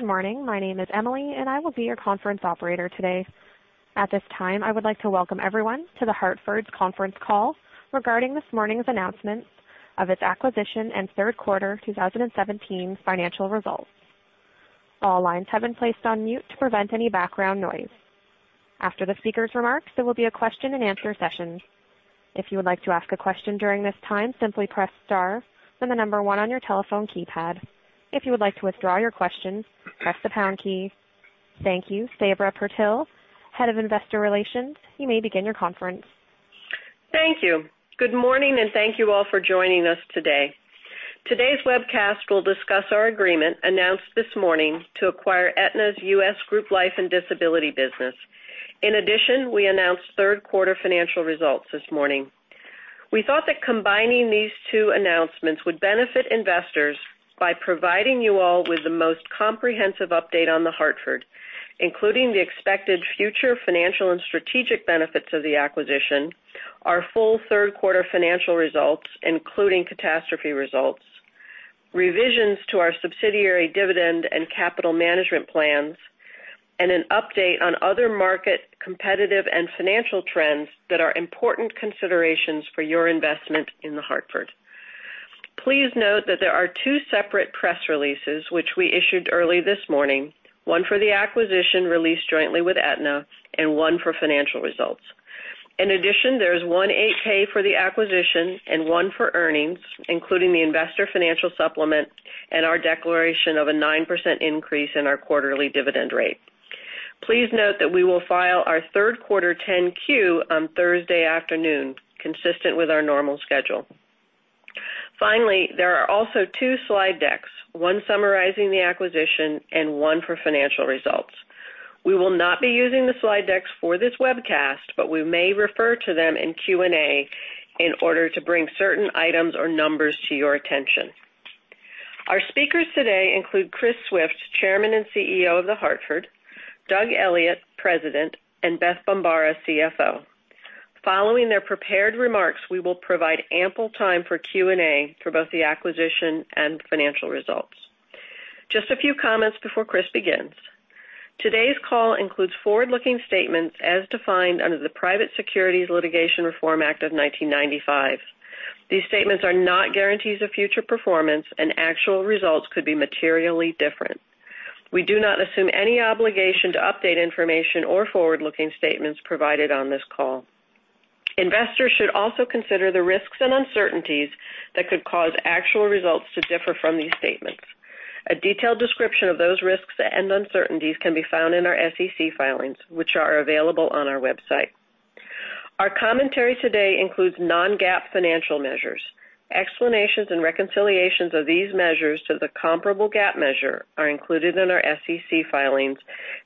Good morning. My name is Emily, I will be your conference operator today. At this time, I would like to welcome everyone to The Hartford's conference call regarding this morning's announcement of its acquisition and third quarter 2017 financial results. All lines have been placed on mute to prevent any background noise. After the speaker's remarks, there will be a question and answer session. If you would like to ask a question during this time, simply press star, then the number one on your telephone keypad. If you would like to withdraw your question, press the pound key. Thank you. Sabra Purtill, Head of Investor Relations, you may begin your conference. Thank you. Good morning, thank you all for joining us today. Today's webcast will discuss our agreement announced this morning to acquire Aetna's U.S. Group Life and Disability business. In addition, we announced third quarter financial results this morning. We thought that combining these two announcements would benefit investors by providing you all with the most comprehensive update on The Hartford, including the expected future financial and strategic benefits of the acquisition, our full third quarter financial results, including catastrophe results, revisions to our subsidiary dividend and capital management plans, and an update on other market competitive and financial trends that are important considerations for your investment in The Hartford. Please note that there are two separate press releases which we issued early this morning, one for the acquisition, released jointly with Aetna, and one for financial results. In addition, there is one 8-K for the acquisition and one for earnings, including the investor financial supplement and our declaration of a 9% increase in our quarterly dividend rate. Please note that we will file our third quarter 10-Q on Thursday afternoon, consistent with our normal schedule. Finally, there are also two slide decks, one summarizing the acquisition and one for financial results. We will not be using the slide decks for this webcast, but we may refer to them in Q&A in order to bring certain items or numbers to your attention. Our speakers today include Chris Swift, Chairman and CEO of The Hartford, Doug Elliot, President, and Beth Bombara, CFO. Following their prepared remarks, we will provide ample time for Q&A for both the acquisition and financial results. Just a few comments before Chris begins. Today's call includes forward-looking statements as defined under the Private Securities Litigation Reform Act of 1995. These statements are not guarantees of future performance, and actual results could be materially different. We do not assume any obligation to update information or forward-looking statements provided on this call. Investors should also consider the risks and uncertainties that could cause actual results to differ from these statements. A detailed description of those risks and uncertainties can be found in our SEC filings, which are available on our website. Our commentary today includes non-GAAP financial measures. Explanations and reconciliations of these measures to the comparable GAAP measure are included in our SEC filings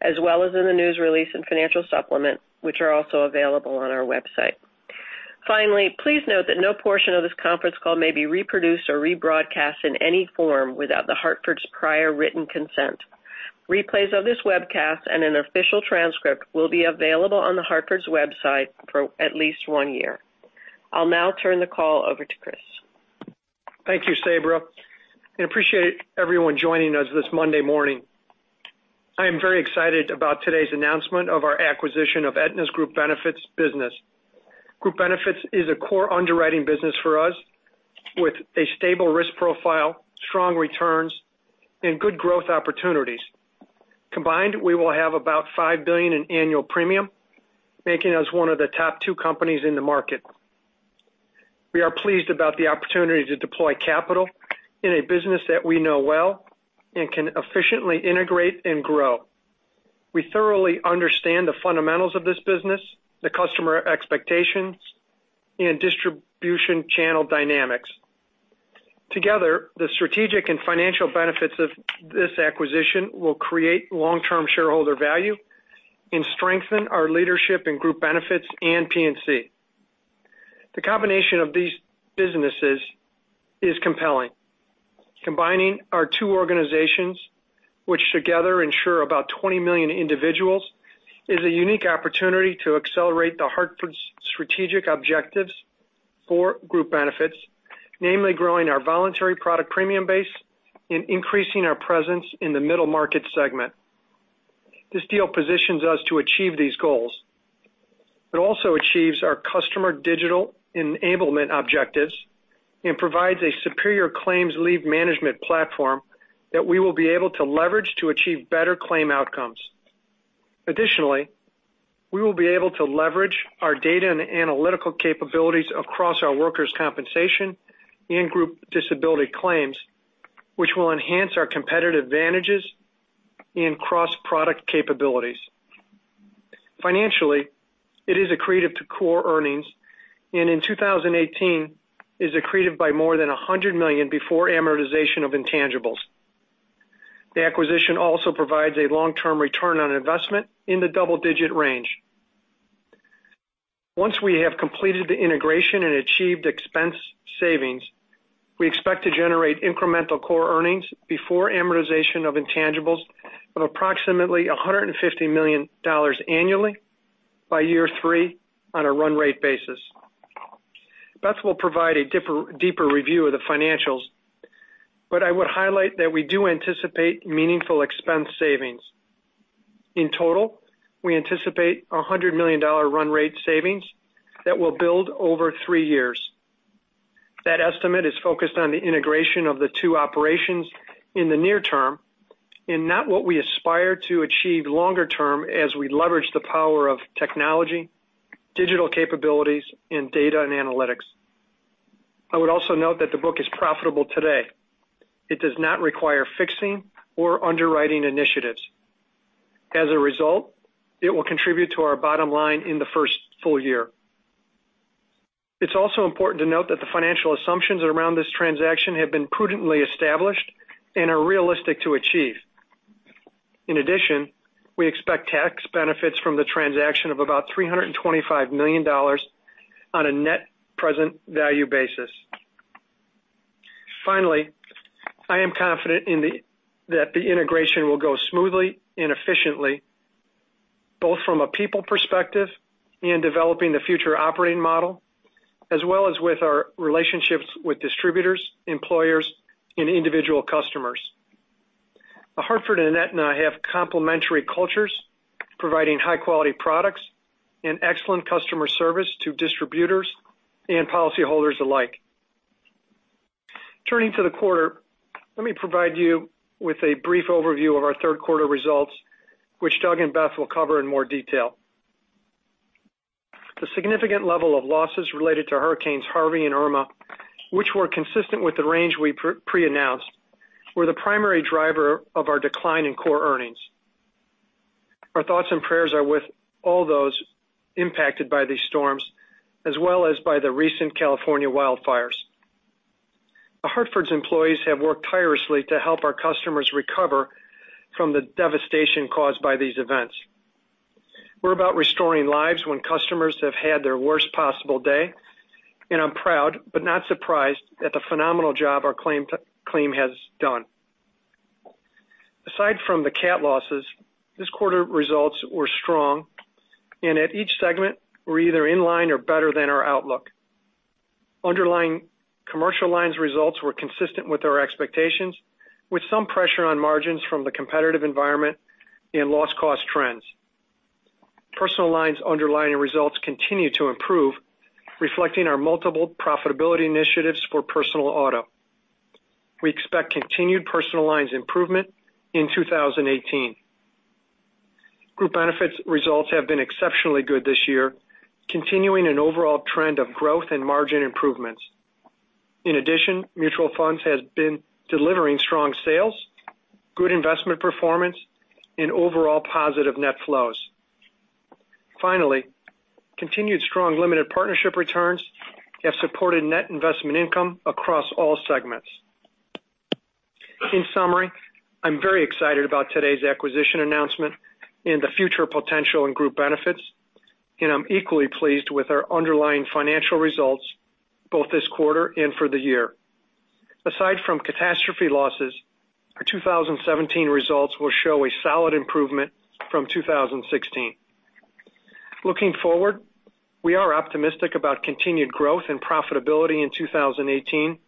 as well as in the news release and financial supplement, which are also available on our website. Finally, please note that no portion of this conference call may be reproduced or rebroadcast in any form without The Hartford's prior written consent. Replays of this webcast and an official transcript will be available on The Hartford's website for at least one year. I'll now turn the call over to Chris. Thank you, Sabra. I appreciate everyone joining us this Monday morning. I am very excited about today's announcement of our acquisition of Aetna's Group Benefits business. Group Benefits is a core underwriting business for us with a stable risk profile, strong returns, and good growth opportunities. Combined, we will have about $5 billion in annual premium, making us one of the top two companies in the market. We are pleased about the opportunity to deploy capital in a business that we know well and can efficiently integrate and grow. We thoroughly understand the fundamentals of this business, the customer expectations, and distribution channel dynamics. Together, the strategic and financial benefits of this acquisition will create long-term shareholder value and strengthen our leadership in Group Benefits and P&C. The combination of these businesses is compelling. Combining our two organizations, which together insure about 20 million individuals, is a unique opportunity to accelerate The Hartford's strategic objectives for Group Benefits, namely growing our voluntary product premium base and increasing our presence in the middle market segment. This deal positions us to achieve these goals. It also achieves our customer digital enablement objectives and provides a superior claims lead management platform that we will be able to leverage to achieve better claim outcomes. Additionally, we will be able to leverage our data and analytical capabilities across our workers' compensation and group disability claims, which will enhance our competitive advantages and cross-product capabilities. Financially, it is accretive to core earnings, and in 2018, is accretive by more than $100 million before amortization of intangibles. The acquisition also provides a long-term return on investment in the double-digit range. Once we have completed the integration and achieved expense savings, we expect to generate incremental core earnings before amortization of intangibles of approximately $150 million annually by year three on a run rate basis. Beth will provide a deeper review of the financials, but I would highlight that we do anticipate meaningful expense savings. In total, we anticipate $100 million run rate savings that will build over three years. That estimate is focused on the integration of the two operations in the near term, and not what we aspire to achieve longer term as we leverage the power of technology, digital capabilities, and data and analytics. I would also note that the book is profitable today. It does not require fixing or underwriting initiatives. As a result, it will contribute to our bottom line in the first full year. It's also important to note that the financial assumptions around this transaction have been prudently established and are realistic to achieve. In addition, we expect tax benefits from the transaction of about $325 million on a net present value basis. Finally, I am confident that the integration will go smoothly and efficiently, both from a people perspective in developing the future operating model, as well as with our relationships with distributors, employers, and individual customers. The Hartford and Aetna have complementary cultures, providing high-quality products and excellent customer service to distributors and policyholders alike. Turning to the quarter, let me provide you with a brief overview of our third quarter results, which Doug and Beth Bombara will cover in more detail. The significant level of losses related to hurricanes Harvey and Irma, which were consistent with the range we pre-announced, were the primary driver of our decline in core earnings. Our thoughts and prayers are with all those impacted by these storms, as well as by the recent California wildfires. The Hartford's employees have worked tirelessly to help our customers recover from the devastation caused by these events. We're about restoring lives when customers have had their worst possible day, and I'm proud, but not surprised, at the phenomenal job our claim has done. Aside from the cat losses, this quarter results were strong and at each segment, we're either in line or better than our outlook. Underlying commercial lines results were consistent with our expectations, with some pressure on margins from the competitive environment and loss cost trends. Personal lines underlying results continue to improve, reflecting our multiple profitability initiatives for personal auto. We expect continued personal lines improvement in 2018. Group Benefits results have been exceptionally good this year, continuing an overall trend of growth and margin improvements. Mutual funds has been delivering strong sales, good investment performance, and overall positive net flows. Continued strong limited partnership returns have supported net investment income across all segments. I'm very excited about today's acquisition announcement and the future potential in Group Benefits, and I'm equally pleased with our underlying financial results both this quarter and for the year. Aside from catastrophe losses, our 2017 results will show a solid improvement from 2016. Looking forward, we are optimistic about continued growth and profitability in 2018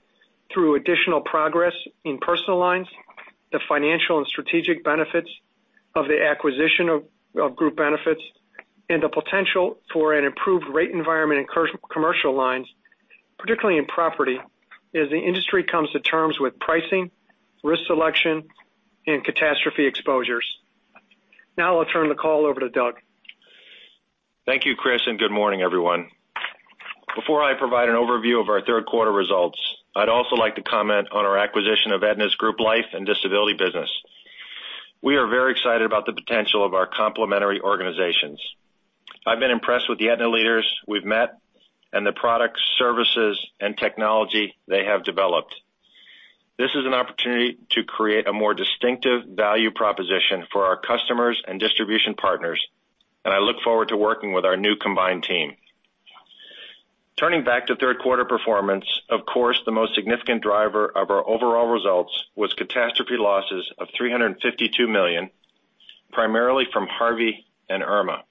through additional progress in personal lines, the financial and strategic benefits of the acquisition of Group Benefits, and the potential for an improved rate environment in commercial lines, particularly in property, as the industry comes to terms with pricing, risk selection, and catastrophe exposures. I'll turn the call over to Doug. Thank you, Chris, and good morning, everyone. Before I provide an overview of our third quarter results, I'd also like to comment on our acquisition of Aetna's group life and disability business. We are very excited about the potential of our complementary organizations. I've been impressed with the Aetna leaders we've met and the products, services, and technology they have developed. This is an opportunity to create a more distinctive value proposition for our customers and distribution partners, and I look forward to working with our new combined team. Turning back to third quarter performance, of course, the most significant driver of our overall results was catastrophe losses of $352 million, primarily from Harvey and Irma.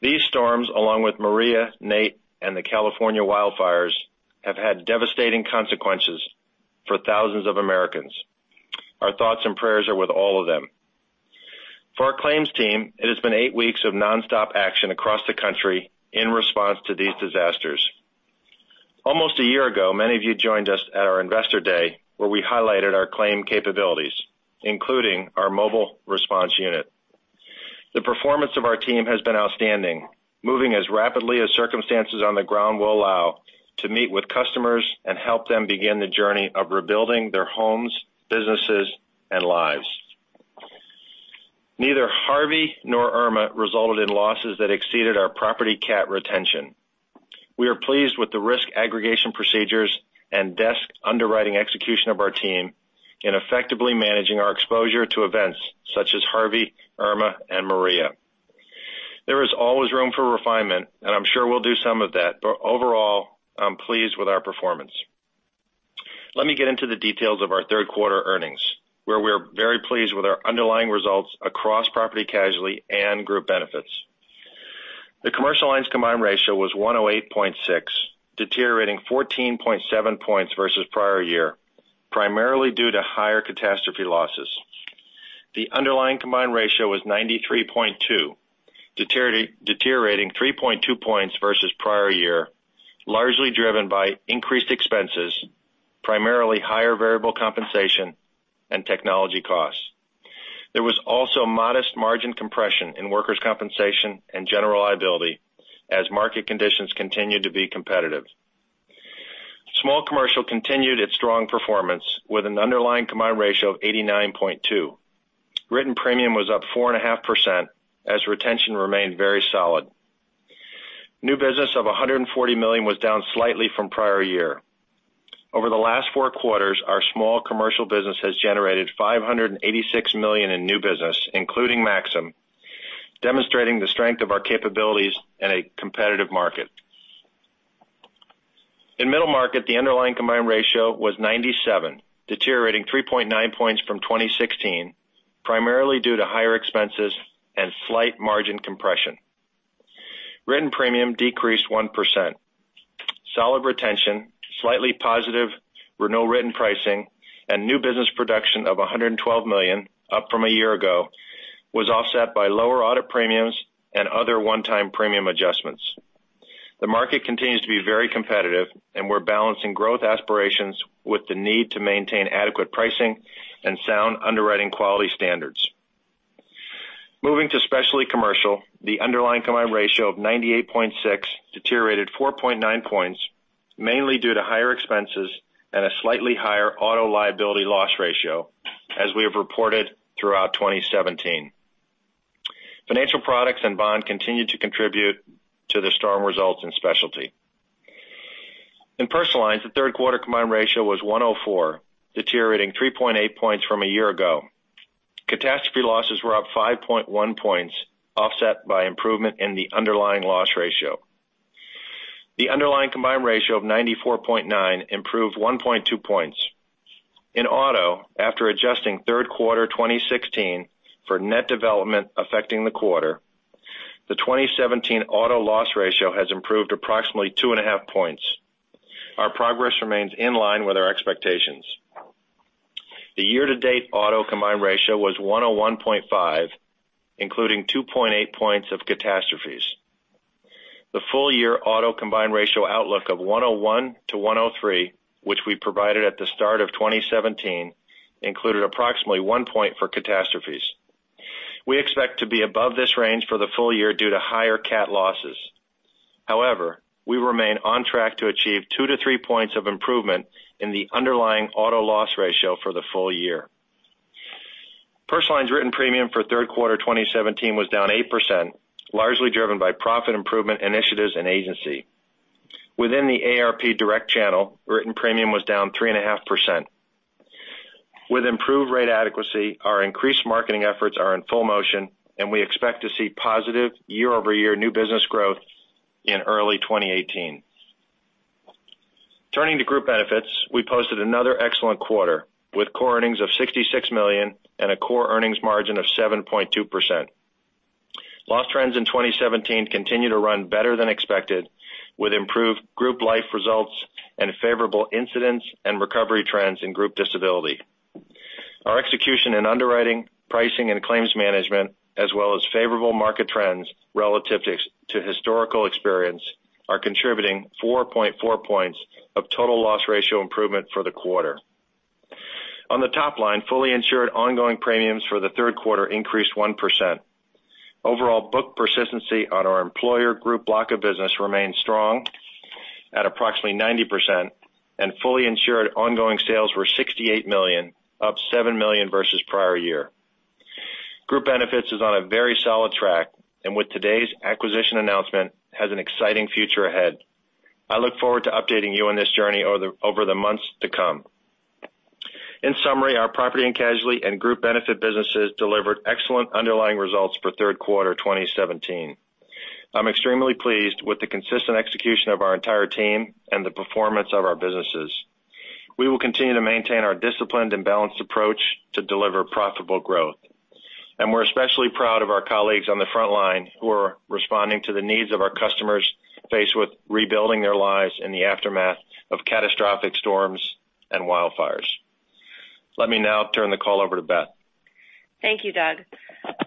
These storms, along with Maria, Nate, and the California wildfires, have had devastating consequences for thousands of Americans. Our thoughts and prayers are with all of them. For our claims team, it has been eight weeks of nonstop action across the country in response to these disasters. Almost a year ago, many of you joined us at our investor day, where we highlighted our claim capabilities, including our mobile response unit. The performance of our team has been outstanding, moving as rapidly as circumstances on the ground will allow to meet with customers and help them begin the journey of rebuilding their homes, businesses, and lives. Neither Harvey nor Irma resulted in losses that exceeded our property cat retention. We are pleased with the risk aggregation procedures and desk underwriting execution of our team in effectively managing our exposure to events such as Harvey, Irma, and Maria. There is always room for refinement, and I'm sure we'll do some of that, but overall, I'm pleased with our performance. Let me get into the details of our third quarter earnings, where we're very pleased with our underlying results across property casualty and Group Benefits. The commercial lines combined ratio was 108.6, deteriorating 14.7 points versus prior year, primarily due to higher catastrophe losses. The underlying combined ratio was 93.2, deteriorating 3.2 points versus prior year, largely driven by increased expenses, primarily higher variable compensation and technology costs. There was also modest margin compression in workers' compensation and general liability as market conditions continued to be competitive. Small commercial continued its strong performance with an underlying combined ratio of 89.2. Written premium was up 4.5% as retention remained very solid. New business of $140 million was down slightly from prior year. Over the last four quarters, our small commercial business has generated $586 million in new business, including Maxum, demonstrating the strength of our capabilities in a competitive market. In middle market, the underlying combined ratio was 97, deteriorating 3.9 points from 2016, primarily due to higher expenses and slight margin compression. Written premium decreased 1%. Solid retention, slightly positive renewal written pricing, and new business production of $112 million, up from a year ago, was offset by lower audit premiums and other one-time premium adjustments. The market continues to be very competitive, and we're balancing growth aspirations with the need to maintain adequate pricing and sound underwriting quality standards. Moving to specialty commercial, the underlying combined ratio of 98.6 deteriorated 4.9 points, mainly due to higher expenses and a slightly higher auto liability loss ratio, as we have reported throughout 2017. Financial products and bond continued to contribute to the strong results in specialty. In personal lines, the third quarter combined ratio was 104, deteriorating 3.8 points from a year ago. Catastrophe losses were up 5.1 points, offset by improvement in the underlying loss ratio. The underlying combined ratio of 94.9 improved 1.2 points. In auto, after adjusting third quarter 2016 for net development affecting the quarter, the 2017 auto loss ratio has improved approximately 2.5 points. Our progress remains in line with our expectations. The year-to-date auto combined ratio was 101.5, including 2.8 points of catastrophes. The full-year auto combined ratio outlook of 101-103, which we provided at the start of 2017, included approximately one point for catastrophes. We expect to be above this range for the full year due to higher cat losses. However, we remain on track to achieve two to three points of improvement in the underlying auto loss ratio for the full year. Personal lines written premium for third quarter 2017 was down 8%, largely driven by profit improvement initiatives and agency. Within the AARP direct channel, written premium was down 3.5%. With improved rate adequacy, our increased marketing efforts are in full motion, and we expect to see positive year-over-year new business growth in early 2018. Turning to Group Benefits, we posted another excellent quarter, with core earnings of $66 million and a core earnings margin of 7.2%. Loss trends in 2017 continue to run better than expected, with improved group life results and favorable incidents and recovery trends in group disability. Our execution in underwriting, pricing, and claims management, as well as favorable market trends relative to historical experience, are contributing 4.4 points of total loss ratio improvement for the quarter. On the top line, fully insured ongoing premiums for the third quarter increased 1%. Overall, book persistency on our employer group block of business remains strong at approximately 90%, and fully insured ongoing sales were $68 million, up $7 million versus prior year. Group Benefits is on a very solid track, and with today's acquisition announcement, has an exciting future ahead. I look forward to updating you on this journey over the months to come. In summary, our property and casualty and Group Benefits businesses delivered excellent underlying results for third quarter 2017. I'm extremely pleased with the consistent execution of our entire team and the performance of our businesses. We will continue to maintain our disciplined and balanced approach to deliver profitable growth. We're especially proud of our colleagues on the front line who are responding to the needs of our customers faced with rebuilding their lives in the aftermath of catastrophic storms and wildfires. Let me now turn the call over to Beth. Thank you, Doug.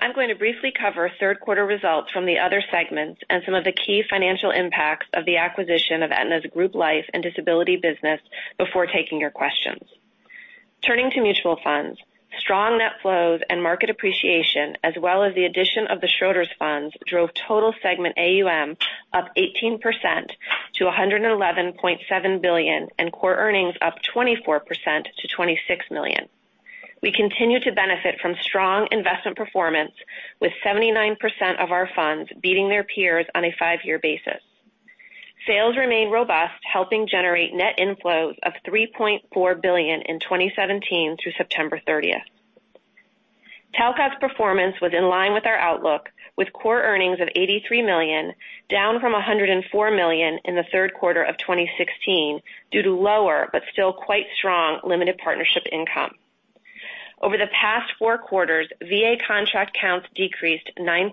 I'm going to briefly cover third quarter results from the other segments and some of the key financial impacts of the acquisition of Aetna's group life and disability business before taking your questions. Turning to mutual funds, strong net flows and market appreciation, as well as the addition of the Schroders funds, drove total segment AUM up 18% to $111.7 billion, and core earnings up 24% to $26 million. We continue to benefit from strong investment performance with 79% of our funds beating their peers on a five-year basis. Sales remain robust, helping generate net inflows of $3.4 billion in 2017 through September 30th. Talcott's performance was in line with our outlook, with core earnings of $83 million, down from $104 million in the third quarter of 2016 due to lower, but still quite strong limited partnership income. Over the past four quarters, VA contract counts decreased 9%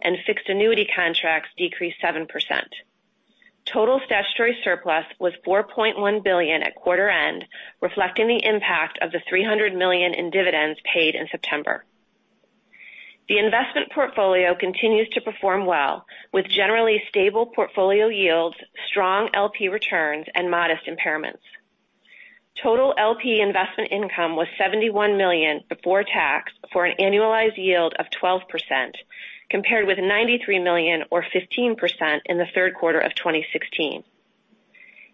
and fixed annuity contracts decreased 7%. Total statutory surplus was $4.1 billion at quarter end, reflecting the impact of the $300 million in dividends paid in September. The investment portfolio continues to perform well, with generally stable portfolio yields, strong LP returns, and modest impairments. Total LP investment income was $71 million before tax for an annualized yield of 12%, compared with $93 million or 15% in the third quarter of 2016.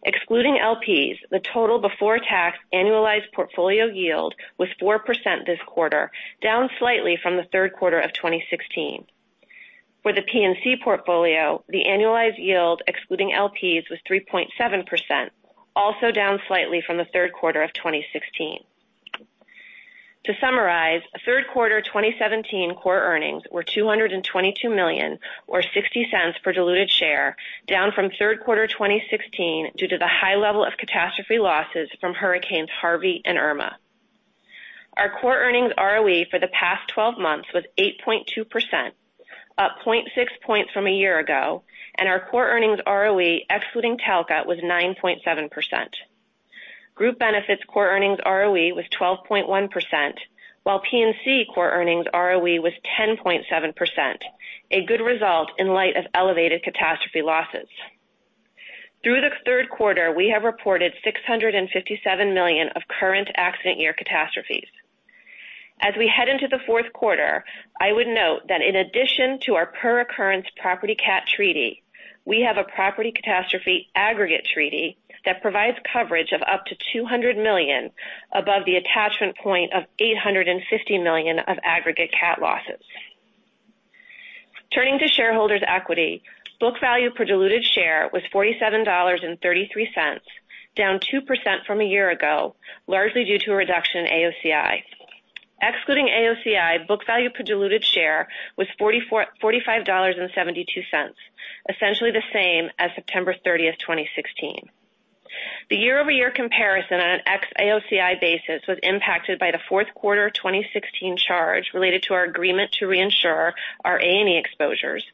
Excluding LPs, the total before tax annualized portfolio yield was 4% this quarter, down slightly from the third quarter of 2016. For the P&C portfolio, the annualized yield excluding LPs was 3.7%, also down slightly from the third quarter of 2016. To summarize, third quarter 2017 core earnings were $222 million, or $0.60 per diluted share, down from third quarter 2016 due to the high level of catastrophe losses from hurricanes Harvey and Irma. Our core earnings ROE for the past 12 months was 8.2%, up 0.6 points from a year ago, and our core earnings ROE excluding Talcott was 9.7%. Group Benefits core earnings ROE was 12.1%, while P&C core earnings ROE was 10.7%, a good result in light of elevated catastrophe losses. Through the third quarter, we have reported $657 million of current accident year catastrophes. As we head into the fourth quarter, I would note that in addition to our per occurrence property cat treaty, we have a property catastrophe aggregate treaty that provides coverage of up to $200 million above the attachment point of $850 million of aggregate cat losses. Turning to shareholders' equity, book value per diluted share was $47.33, down 2% from a year ago, largely due to a reduction in AOCI. Excluding AOCI, book value per diluted share was $45.72, essentially the same as September 30th, 2016. The year-over-year comparison on an ex-AOCI basis was impacted by the fourth quarter 2016 charge related to our agreement to reinsure our A&E exposures,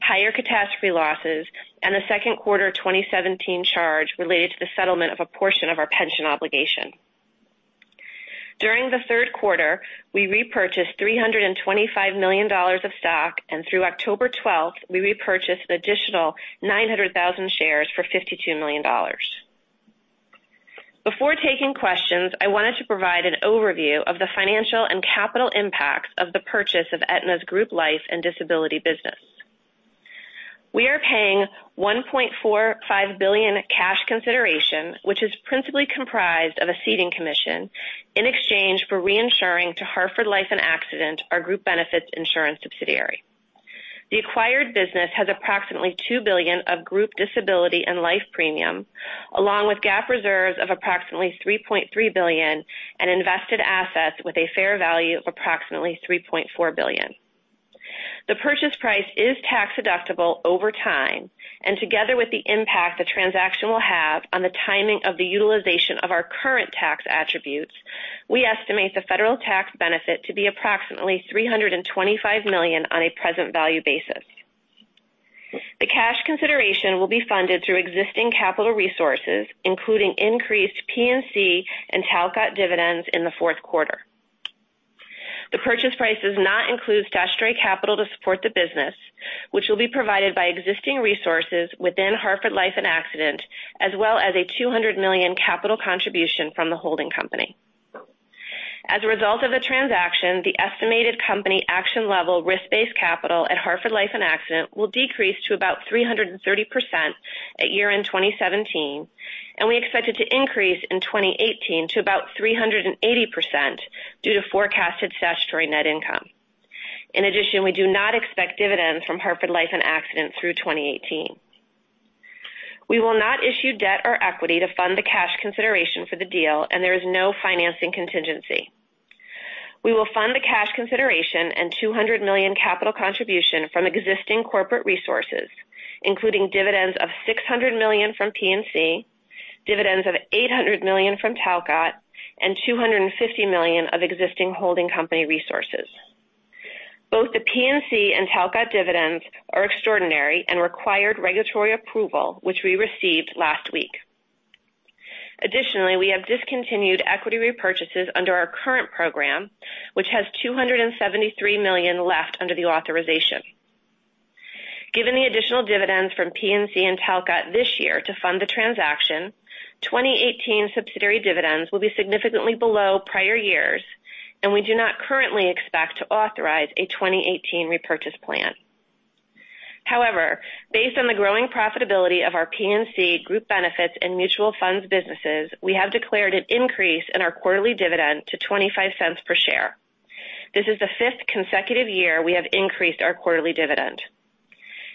higher catastrophe losses, and the second quarter 2017 charge related to the settlement of a portion of our pension obligation. During the third quarter, we repurchased $325 million of stock, and through October 12th, we repurchased an additional 900,000 shares for $52 million. Before taking questions, I wanted to provide an overview of the financial and capital impacts of the purchase of Aetna's Group Life and Disability business. We are paying $1.45 billion cash consideration, which is principally comprised of a ceding commission, in exchange for reinsuring to Hartford Life and Accident, our group benefits insurance subsidiary. The acquired business has approximately $2 billion of group disability and life premium, along with GAAP reserves of approximately $3.3 billion and invested assets with a fair value of approximately $3.4 billion. The purchase price is tax-deductible over time. Together with the impact the transaction will have on the timing of the utilization of our current tax attributes, we estimate the federal tax benefit to be approximately $325 million on a present value basis. The cash consideration will be funded through existing capital resources, including increased P&C and Talcott dividends in the fourth quarter. The purchase price does not include statutory capital to support the business, which will be provided by existing resources within Hartford Life and Accident, as well as a $200 million capital contribution from the holding company. As a result of the transaction, the estimated company action level risk-based capital at Hartford Life and Accident will decrease to about 330% at year-end 2017, and we expect it to increase in 2018 to about 380% due to forecasted statutory net income. In addition, we do not expect dividends from Hartford Life and Accident through 2018. We will not issue debt or equity to fund the cash consideration for the deal, and there is no financing contingency. We will fund the cash consideration and $200 million capital contribution from existing corporate resources, including dividends of $600 million from P&C, dividends of $800 million from Talcott, and $250 million of existing holding company resources. Both the P&C and Talcott dividends are extraordinary and required regulatory approval, which we received last week. Additionally, we have discontinued equity repurchases under our current program, which has $273 million left under the authorization. Given the additional dividends from P&C and Talcott this year to fund the transaction, 2018 subsidiary dividends will be significantly below prior years, and we do not currently expect to authorize a 2018 repurchase plan. However, based on the growing profitability of our P&C Group Benefits and mutual funds businesses, we have declared an increase in our quarterly dividend to $0.25 per share. This is the fifth consecutive year we have increased our quarterly dividend.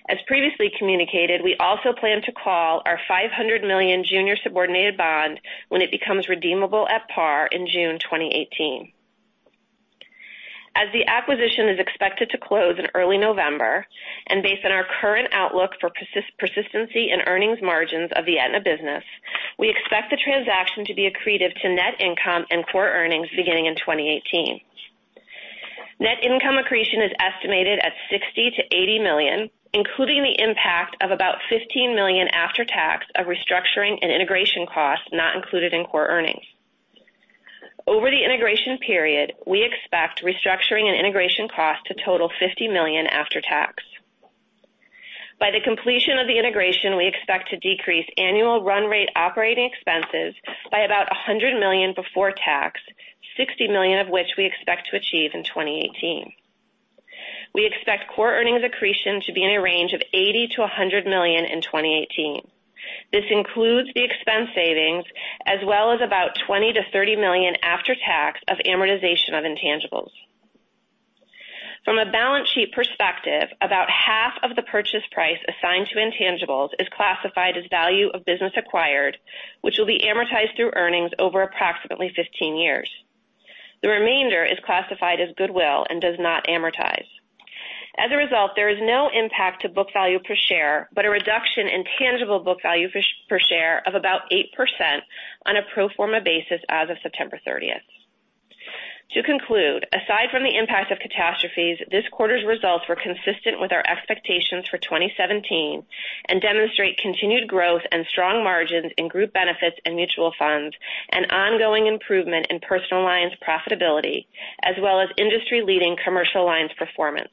As previously communicated, we also plan to call our $500 million junior subordinated bond when it becomes redeemable at par in June 2018. As the acquisition is expected to close in early November, based on our current outlook for persistency and earnings margins of the Aetna business, we expect the transaction to be accretive to net income and core earnings beginning in 2018. Net income accretion is estimated at $60 million to $80 million, including the impact of about $15 million after tax of restructuring and integration costs, not included in core earnings. Over the integration period, we expect restructuring and integration costs to total $50 million after tax. By the completion of the integration, we expect to decrease annual run rate operating expenses by about $100 million before tax, $60 million of which we expect to achieve in 2018. We expect core earnings accretion to be in a range of $80 million to $100 million in 2018. This includes the expense savings as well as about $20 million-$30 million after tax of amortization of intangibles. From a balance sheet perspective, about half of the purchase price assigned to intangibles is classified as value of business acquired, which will be amortized through earnings over approximately 15 years. The remainder is classified as goodwill and does not amortize. As a result, there is no impact to book value per share, but a reduction in tangible book value per share of about 8% on a pro forma basis as of September 30th. To conclude, aside from the impact of catastrophes, this quarter's results were consistent with our expectations for 2017 and demonstrate continued growth and strong margins in Group Benefits and mutual funds, and ongoing improvement in personal lines profitability, as well as industry-leading commercial lines performance.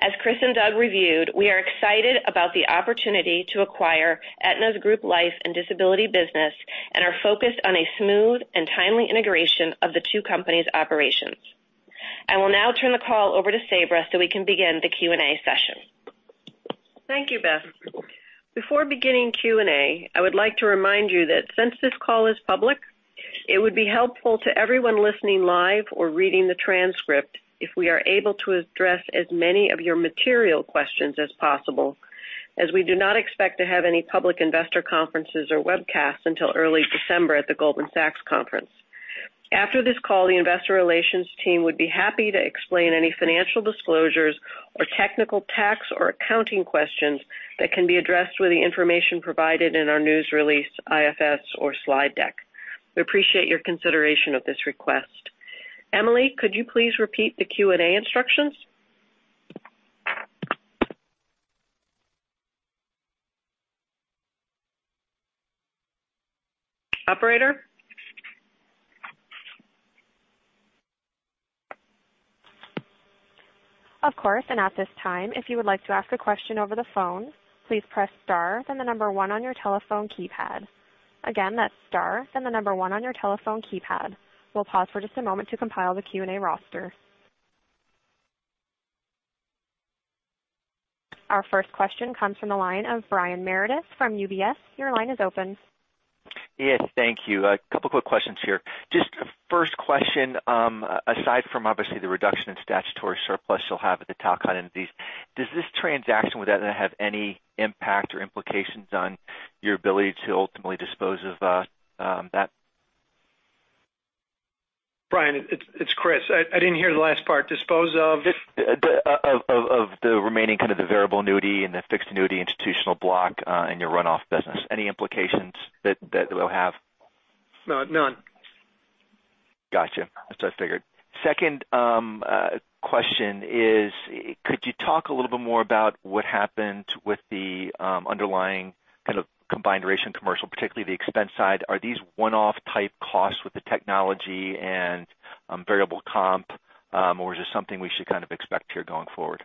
As Chris and Doug reviewed, we are excited about the opportunity to acquire Aetna's Group Benefits business and are focused on a smooth and timely integration of the two companies' operations. I will now turn the call over to Sabra so we can begin the Q&A session. Thank you, Beth. Before beginning Q&A, I would like to remind you that since this call is public, it would be helpful to everyone listening live or reading the transcript if we are able to address as many of your material questions as possible, as we do not expect to have any public investor conferences or webcasts until early December at the Goldman Sachs conference. After this call, the investor relations team would be happy to explain any financial disclosures or technical, tax, or accounting questions that can be addressed with the information provided in our news release, IFS, or slide deck. We appreciate your consideration of this request. Emily, could you please repeat the Q&A instructions? Operator? Of course. At this time, if you would like to ask a question over the phone, please press star, then the number one on your telephone keypad. Again, that's star, then the number one on your telephone keypad. We'll pause for just a moment to compile the Q&A roster. Our first question comes from the line of Brian Meredith from UBS. Your line is open. Yes, thank you. A couple quick questions here. Just first question, aside from obviously the reduction in statutory surplus you'll have at the Talcott entities, does this transaction with Aetna have any impact or implications on your ability to ultimately dispose of that? Brian, it's Chris. I didn't hear the last part. Dispose of? Of the remaining kind of the variable annuity and the fixed annuity institutional block in your run-off business. Any implications that it will have? No, none. Got you. That's what I figured. Second question is, could you talk a little bit more about what happened with the underlying kind of combined ratio commercial, particularly the expense side? Are these one-off type costs with the technology and variable comp, or is this something we should kind of expect here going forward?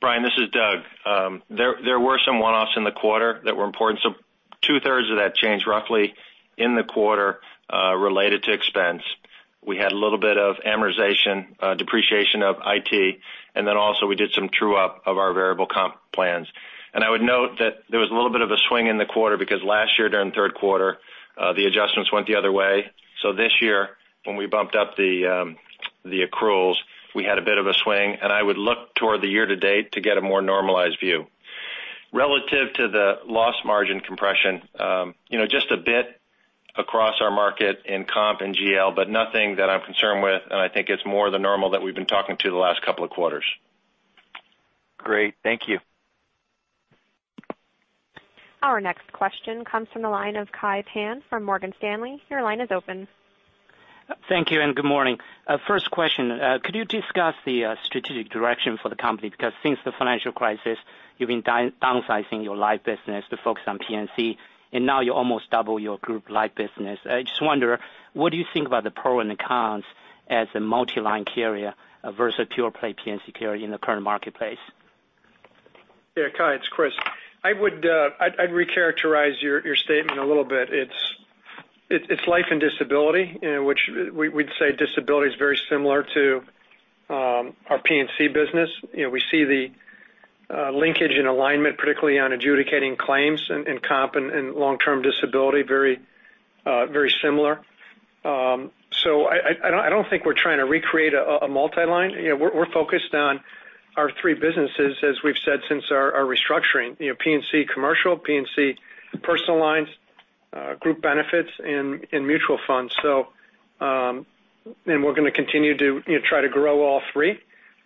Brian, this is Doug. There were some one-offs in the quarter that were important. Two-thirds of that change, roughly, in the quarter related to expense. We had a little bit of amortization, depreciation of IT, and then also we did some true-up of our variable comp plans. I would note that there was a little bit of a swing in the quarter because last year during third quarter, the adjustments went the other way. This year, when we bumped up the accruals, we had a bit of a swing, and I would look toward the year to date to get a more normalized view. Relative to the loss margin compression, just a bit across our market in comp and GL, but nothing that I'm concerned with, and I think it's more the normal that we've been talking to the last couple of quarters. Great. Thank you. Our next question comes from the line of Kai Pan from Morgan Stanley. Your line is open. Thank you, and good morning. First question, could you discuss the strategic direction for the company? Since the financial crisis, you've been downsizing your life business to focus on P&C, and now you almost double your group life business. I just wonder, what do you think about the pro and the cons as a multi-line carrier versus pure-play P&C carrier in the current marketplace? Yeah. Kai, it's Chris. I'd recharacterize your statement a little bit. It's life and disability, which we'd say disability is very similar to our P&C business. We see the linkage and alignment, particularly on adjudicating claims in comp and long-term disability, very similar. I don't think we're trying to recreate a multi-line. We're focused on our three businesses, as we've said since our restructuring, P&C Commercial, P&C Personal Lines, Group Benefits, and Mutual Funds. We're going to continue to try to grow all three.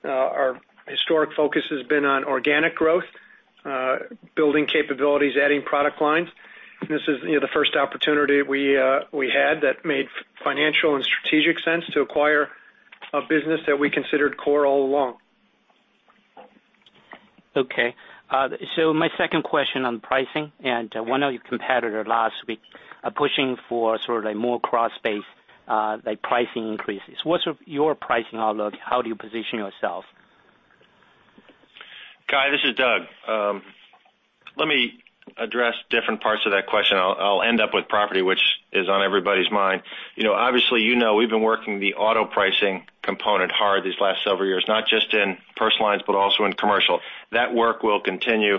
Our historic focus has been on organic growth, building capabilities, adding product lines. This is the first opportunity we had that made financial and strategic sense to acquire a business that we considered core all along. Okay. My second question on pricing, and one of your competitor last week are pushing for sort of a more cross-based pricing increases. What's your pricing outlook? How do you position yourself? Kai, this is Doug. Let me address different parts of that question. I'll end up with property, which is on everybody's mind. Obviously, you know we've been working the auto pricing component hard these last several years, not just in personal lines, but also in commercial. That work will continue,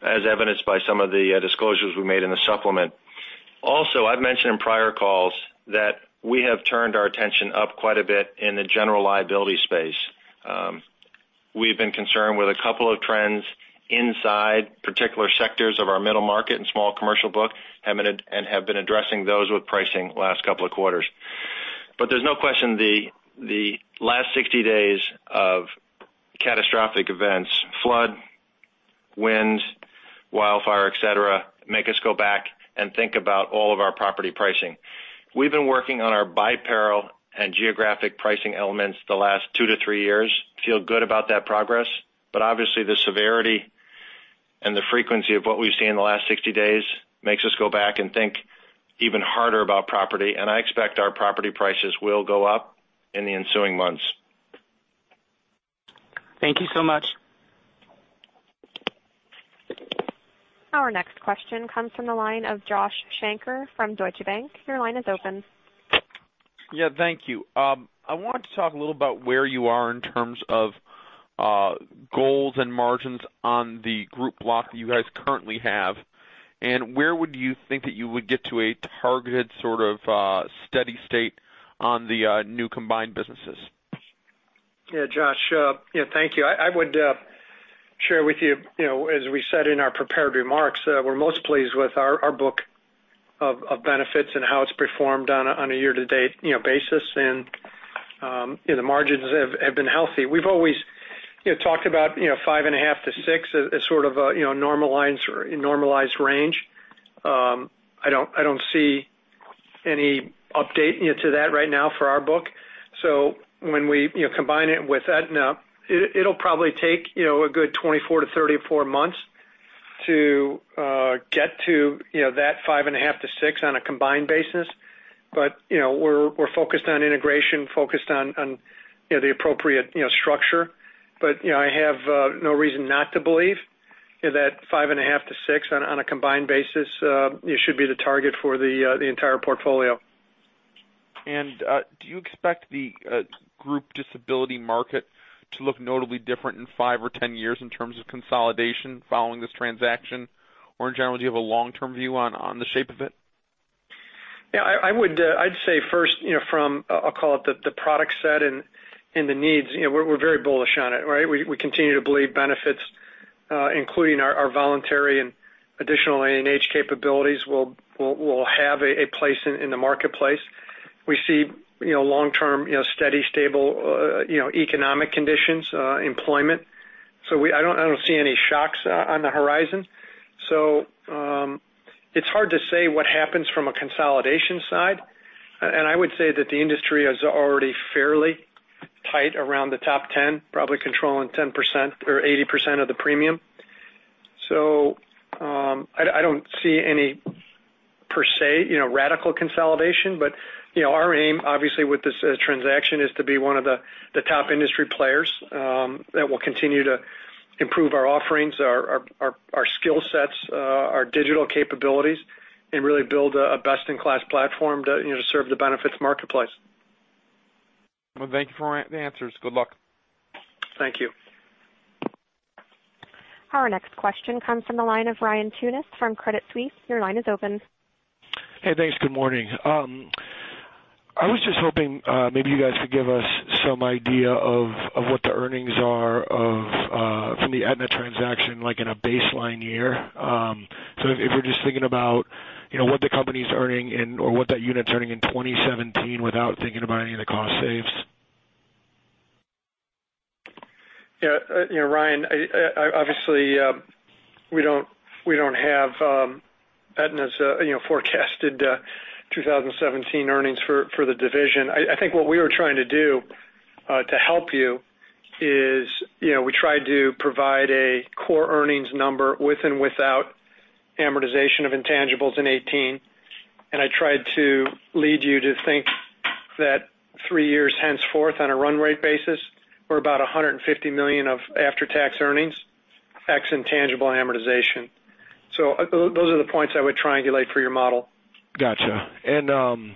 as evidenced by some of the disclosures we made in the supplement. Also, I've mentioned in prior calls that we have turned our attention up quite a bit in the general liability space. We've been concerned with a couple of trends inside particular sectors of our middle market and small commercial book, and have been addressing those with pricing the last couple of quarters. There's no question, the last 60 days of catastrophic events, flood, wind, wildfire, et cetera, make us go back and think about all of our property pricing. We've been working on our by peril and geographic pricing elements the last two to three years. Feel good about that progress, but obviously the severity and the frequency of what we've seen in the last 60 days makes us go back and think even harder about property. I expect our property prices will go up in the ensuing months. Thank you so much. Our next question comes from the line of Josh Shanker from Deutsche Bank. Your line is open. Thank you. I wanted to talk a little about where you are in terms of goals and margins on the group block that you guys currently have, and where would you think that you would get to a targeted sort of steady state on the new combined businesses? Josh thank you. I would share with you, as we said in our prepared remarks, we're most pleased with our book of benefits and how it's performed on a year-to-date basis, and the margins have been healthy. We've always talked about 5.5 to six as sort of a normalized range. I don't see any update to that right now for our book. When we combine it with Aetna, it'll probably take a good 24-34 months to get to that 5.5 to six on a combined basis. We're focused on integration, focused on the appropriate structure. I have no reason not to believe that 5.5 to six on a combined basis should be the target for the entire portfolio. Do you expect the group disability market to look notably different in five or 10 years in terms of consolidation following this transaction? Or in general, do you have a long-term view on the shape of it? Yeah. I'd say first from, I'll call it the product set and the needs, we're very bullish on it. We continue to believe benefits, including our voluntary and additional A&H capabilities will have a place in the marketplace. We see long-term steady, stable economic conditions, employment. I don't see any shocks on the horizon. It's hard to say what happens from a consolidation side. I would say that the industry is already fairly tight around the top 10, probably controlling 10% or 80% of the premium. I don't see any per se radical consolidation, but our aim obviously with this transaction is to be one of the top industry players that will continue to improve our offerings, our skill sets, our digital capabilities, and really build a best-in-class platform to serve the benefits marketplace. Well, thank you for the answers. Good luck. Thank you. Our next question comes from the line of Ryan Tunis from Credit Suisse. Your line is open. Hey, thanks. Good morning. I was just hoping maybe you guys could give us some idea of what the earnings are from the Aetna transaction, like in a baseline year. If we're just thinking about what the company's earning or what that unit's earning in 2017 without thinking about any of the cost saves. Yeah. Ryan, obviously, we don't have Aetna's forecasted 2017 earnings for the division. I think what we were trying to do to help you is we tried to provide a core earnings number with and without amortization of intangibles in 2018, and I tried to lead you to think that three years henceforth on a run rate basis, we're about $150 million of after-tax earnings, ex intangible amortization. Those are the points I would triangulate for your model. Got you.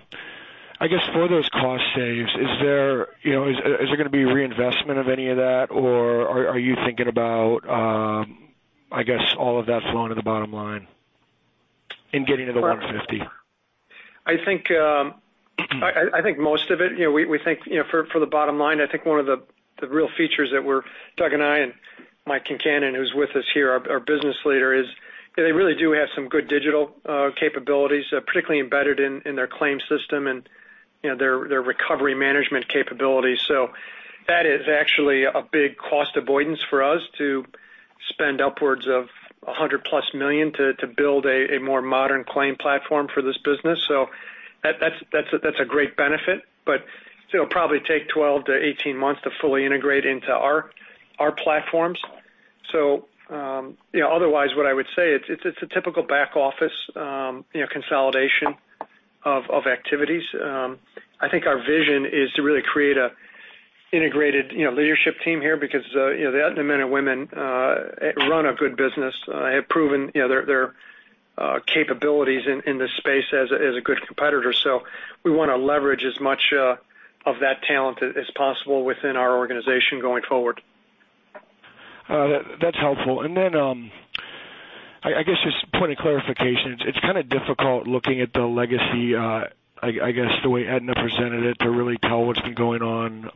I guess for those cost saves, is there going to be reinvestment of any of that, or are you thinking about I guess all of that flowing to the bottom line and getting to the $150. I think most of it, we think for the bottom line, I think one of the real features that Doug and I, and Mike Concannon, who's with us here, our business leader is, they really do have some good digital capabilities, particularly embedded in their claim system and their recovery management capabilities. That is actually a big cost avoidance for us to spend upwards of $100 million plus to build a more modern claim platform for this business. That's a great benefit, but it'll probably take 12-18 months to fully integrate into our platforms. Otherwise what I would say, it's a typical back office consolidation of activities. I think our vision is to really create an integrated leadership team here because the Aetna men and women run a good business, have proven their capabilities in this space as a good competitor. We want to leverage as much of that talent as possible within our organization going forward. That's helpful. Then, I guess just point of clarification, it's kind of difficult looking at the legacy, I guess, the way Aetna presented it to really tell what's been going on.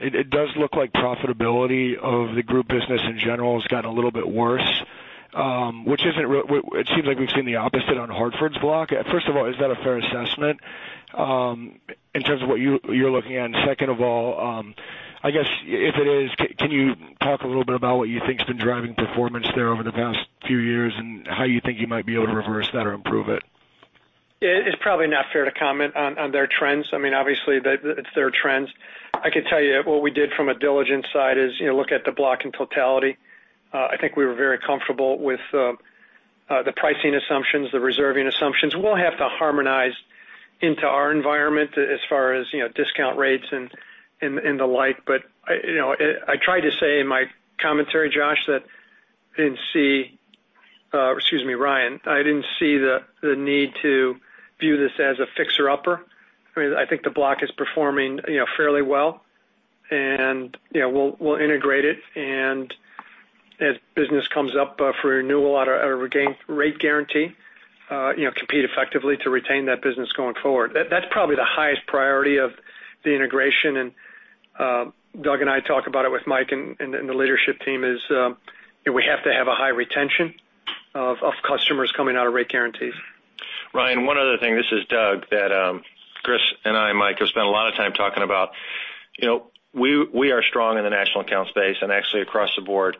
It does look like profitability of the group business in general has gotten a little bit worse. It seems like we've seen the opposite on The Hartford's block. First of all, is that a fair assessment, in terms of what you're looking at? Second of all, I guess if it is, can you talk a little bit about what you think's been driving performance there over the past few years and how you think you might be able to reverse that or improve it? It's probably not fair to comment on their trends. Obviously, it's their trends. I could tell you what we did from a diligence side is look at the block in totality. I think we were very comfortable with the pricing assumptions, the reserving assumptions. We'll have to harmonize into our environment as far as discount rates and the like, I tried to say in my commentary, Josh, that, excuse me, Ryan, I didn't see the need to view this as a fixer-upper. I think the block is performing fairly well, and we'll integrate it and as business comes up for renewal out of a rate guarantee, compete effectively to retain that business going forward. That's probably the highest priority of the integration, and Doug and I talk about it with Mike and the leadership team is, we have to have a high retention of customers coming out of rate guarantees. Ryan, one other thing, this is Doug, that Chris and I and Mike have spent a lot of time talking about. We are strong in the national account space and actually across the board.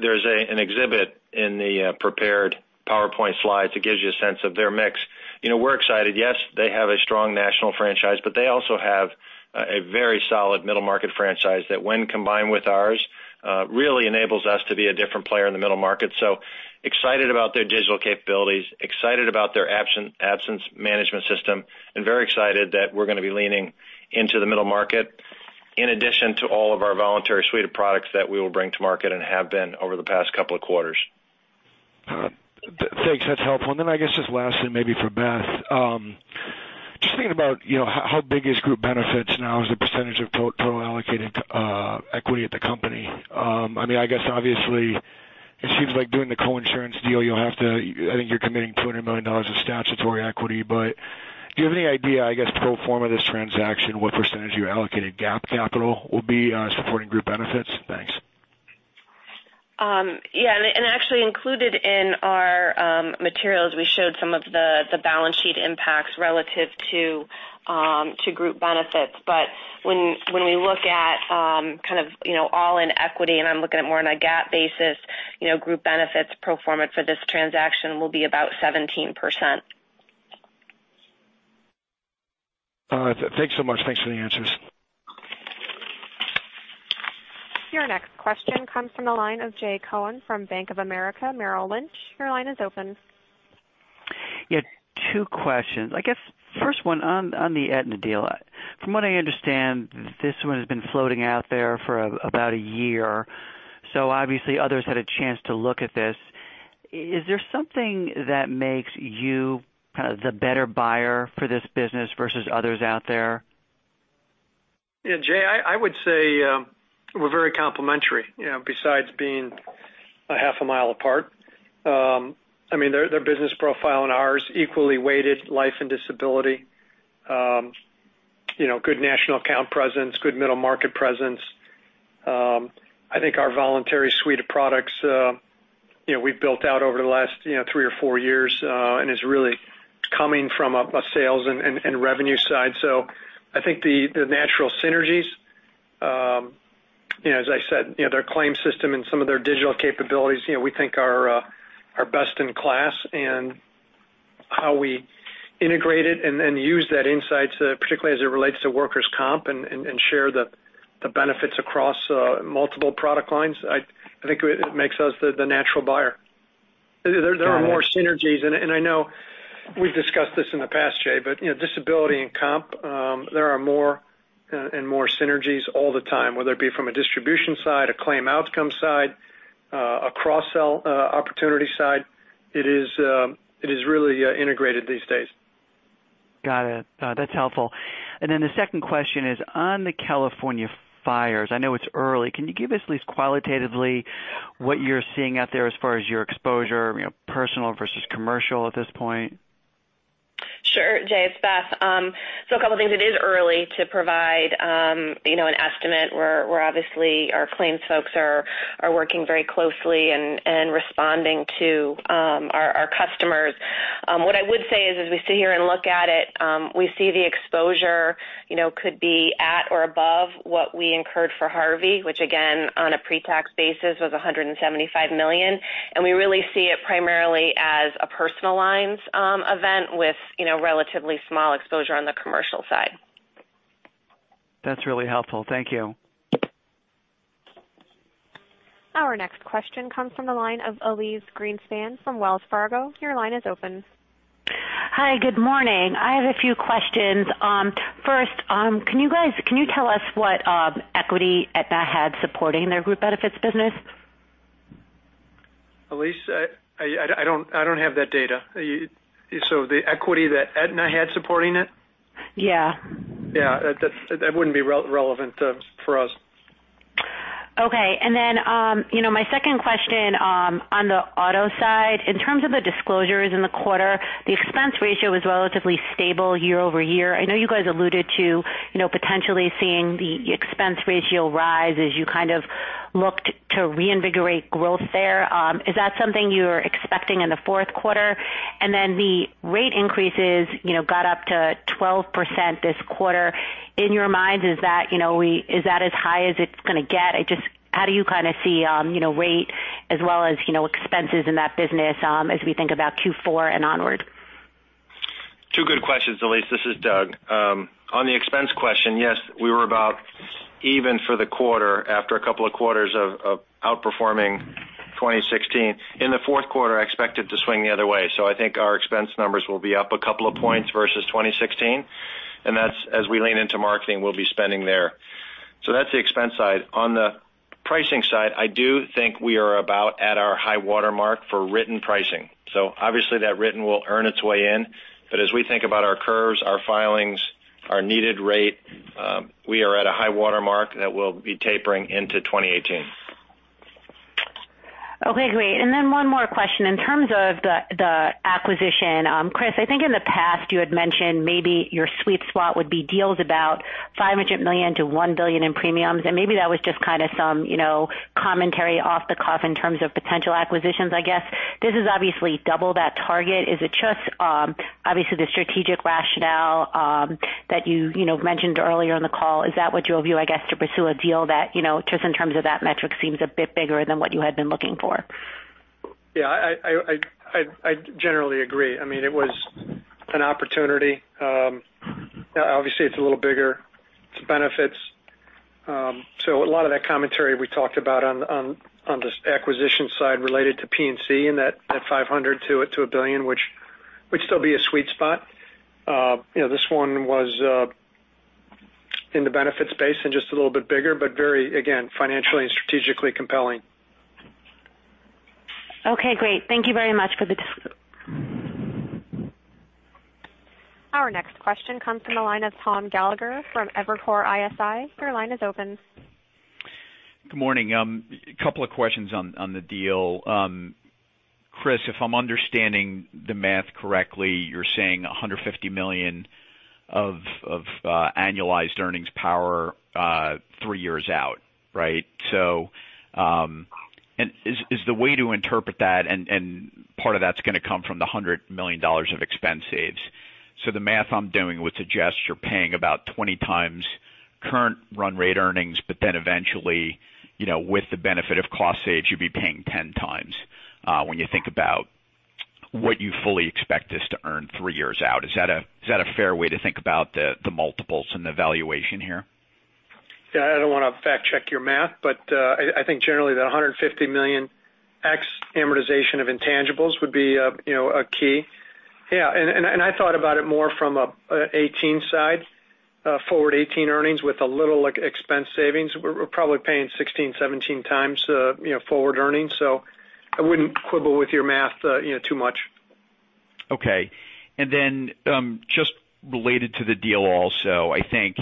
There's an exhibit in the prepared PowerPoint slides that gives you a sense of their mix. We're excited. Yes, they have a strong national franchise, but they also have a very solid middle market franchise that when combined with ours, really enables us to be a different player in the middle market. Excited about their digital capabilities, excited about their absence management system, and very excited that we're going to be leaning into the middle market in addition to all of our voluntary suite of products that we will bring to market and have been over the past couple of quarters. Thanks. That's helpful. I guess just lastly, maybe for Beth, just thinking about how big is Group Benefits now as a percentage of total allocated equity at the company? I guess obviously it seems like doing the co-insurance deal, I think you're committing $200 million of statutory equity. Do you have any idea, I guess, pro forma this transaction, what percentage of your allocated GAAP capital will be supporting Group Benefits? Thanks. Yeah. Actually included in our materials, we showed some of the balance sheet impacts relative to Group Benefits. When we look at kind of all-in equity, and I'm looking at more on a GAAP basis, Group Benefits pro forma for this transaction will be about 17%. Thanks so much. Thanks for the answers. Your next question comes from the line of Jay Cohen from Bank of America Merrill Lynch. Your line is open. Yeah. Two questions. I guess first one on the Aetna deal. From what I understand, this one has been floating out there for about a year. Obviously others had a chance to look at this. Is there something that makes you kind of the better buyer for this business versus others out there? Yeah, Jay, I would say, we're very complementary, besides being a half a mile apart. Their business profile and ours equally weighted life and disability. Good national account presence, good middle market presence. I think our voluntary suite of products we've built out over the last three or four years, is really coming from a sales and revenue side. I think the natural synergies, as I said, their claim system and some of their digital capabilities, we think are best in class, and how we integrate it and use that insight, particularly as it relates to workers' comp and share the benefits across multiple product lines, I think it makes us the natural buyer. There are more synergies, and I know we've discussed this in the past, Jay, but disability and comp, there are more and more synergies all the time, whether it be from a distribution side, a claim outcome side, a cross-sell opportunity side. It is really integrated these days. Got it. That's helpful. Then the second question is on the California fires. I know it's early. Can you give us at least qualitatively what you're seeing out there as far as your exposure, personal versus commercial at this point? Sure, Jay, it's Beth. A couple things. It is early to provide an estimate where obviously our claims folks are working very closely and responding to our customers. What I would say is, as we sit here and look at it, we see the exposure could be at or above what we incurred for Harvey, which again, on a pre-tax basis was $175 million. We really see it primarily as a personal lines event with relatively small exposure on the commercial side. That's really helpful. Thank you. Our next question comes from the line of Elyse Greenspan from Wells Fargo. Your line is open. Hi, good morning. I have a few questions. First, can you tell us what equity Aetna had supporting their Group Benefits business? Elyse, I don't have that data. The equity that Aetna had supporting it? Yeah. Yeah. That wouldn't be relevant for us. My second question on the auto side, in terms of the disclosures in the quarter, the expense ratio was relatively stable year-over-year. I know you guys alluded to potentially seeing the expense ratio rise as you kind of looked to reinvigorate growth there. Is that something you're expecting in the fourth quarter? The rate increases got up to 12% this quarter. In your minds, is that as high as it's going to get? How do you kind of see rate as well as expenses in that business as we think about Q4 and onward? Two good questions, Elyse. This is Doug. On the expense question, yes, we were about even for the quarter after a couple of quarters of outperforming 2016. In the fourth quarter, I expect it to swing the other way. I think our expense numbers will be up a couple of points versus 2016, that's as we lean into marketing, we'll be spending there. That's the expense side. On the pricing side, I do think we are about at our high water mark for written pricing. Obviously that written will earn its way in. As we think about our curves, our filings, our needed rate, we are at a high water mark that will be tapering into 2018. Okay, great. One more question. In terms of the acquisition, Chris, I think in the past you had mentioned maybe your sweet spot would be deals about $500 million to $1 billion in premiums, maybe that was just kind of some commentary off the cuff in terms of potential acquisitions, I guess. This is obviously double that target. Is it just obviously the strategic rationale that you mentioned earlier on the call, is that what you view, I guess, to pursue a deal that, just in terms of that metric seems a bit bigger than what you had been looking for? Yeah. I generally agree. It was an opportunity. Obviously it's a little bigger, it's benefits. A lot of that commentary we talked about on this acquisition side related to P&C and that $500 million-$1 billion, which would still be a sweet spot. This one was in the benefits space and just a little bit bigger, very, again, financially and strategically compelling. Okay, great. Thank you very much for the. Our next question comes from the line of Thomas Gallagher from Evercore ISI. Your line is open. Good morning. A couple of questions on the deal. Chris, if I'm understanding the math correctly, you're saying $150 million of annualized earnings power three years out, right? Is the way to interpret that, and part of that's going to come from the $100 million of expense saves. The math I'm doing would suggest you're paying about 20 times current run rate earnings, eventually, with the benefit of cost saves, you'd be paying 10 times, when you think about what you fully expect this to earn three years out. Is that a fair way to think about the multiples and the valuation here? Yeah, I don't want to fact check your math, I think generally the $150 million ex amortization of intangibles would be a key. Yeah, I thought about it more from a 2018 side, forward 2018 earnings with a little expense savings. We're probably paying 16, 17 times forward earnings. I wouldn't quibble with your math too much. Okay. Just related to the deal also, I think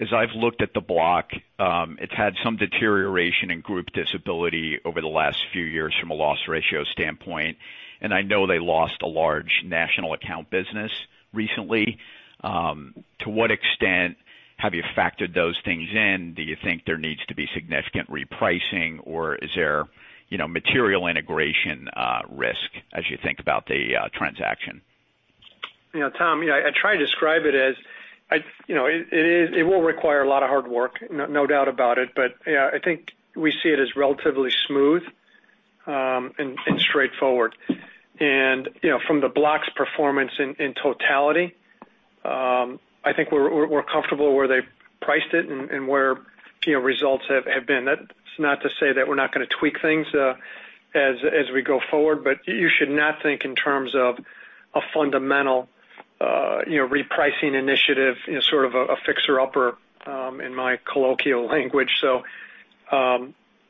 as I've looked at the block, it's had some deterioration in group disability over the last few years from a loss ratio standpoint, and I know they lost a large national account business recently. To what extent have you factored those things in? Do you think there needs to be significant repricing or is there material integration risk as you think about the transaction? Tom, I try to describe it as it will require a lot of hard work, no doubt about it. Yeah, I think we see it as relatively smooth and straightforward. From the block's performance in totality, I think we're comfortable where they priced it and where results have been. That's not to say that we're not going to tweak things as we go forward, but you should not think in terms of a fundamental repricing initiative, sort of a fixer upper in my colloquial language. I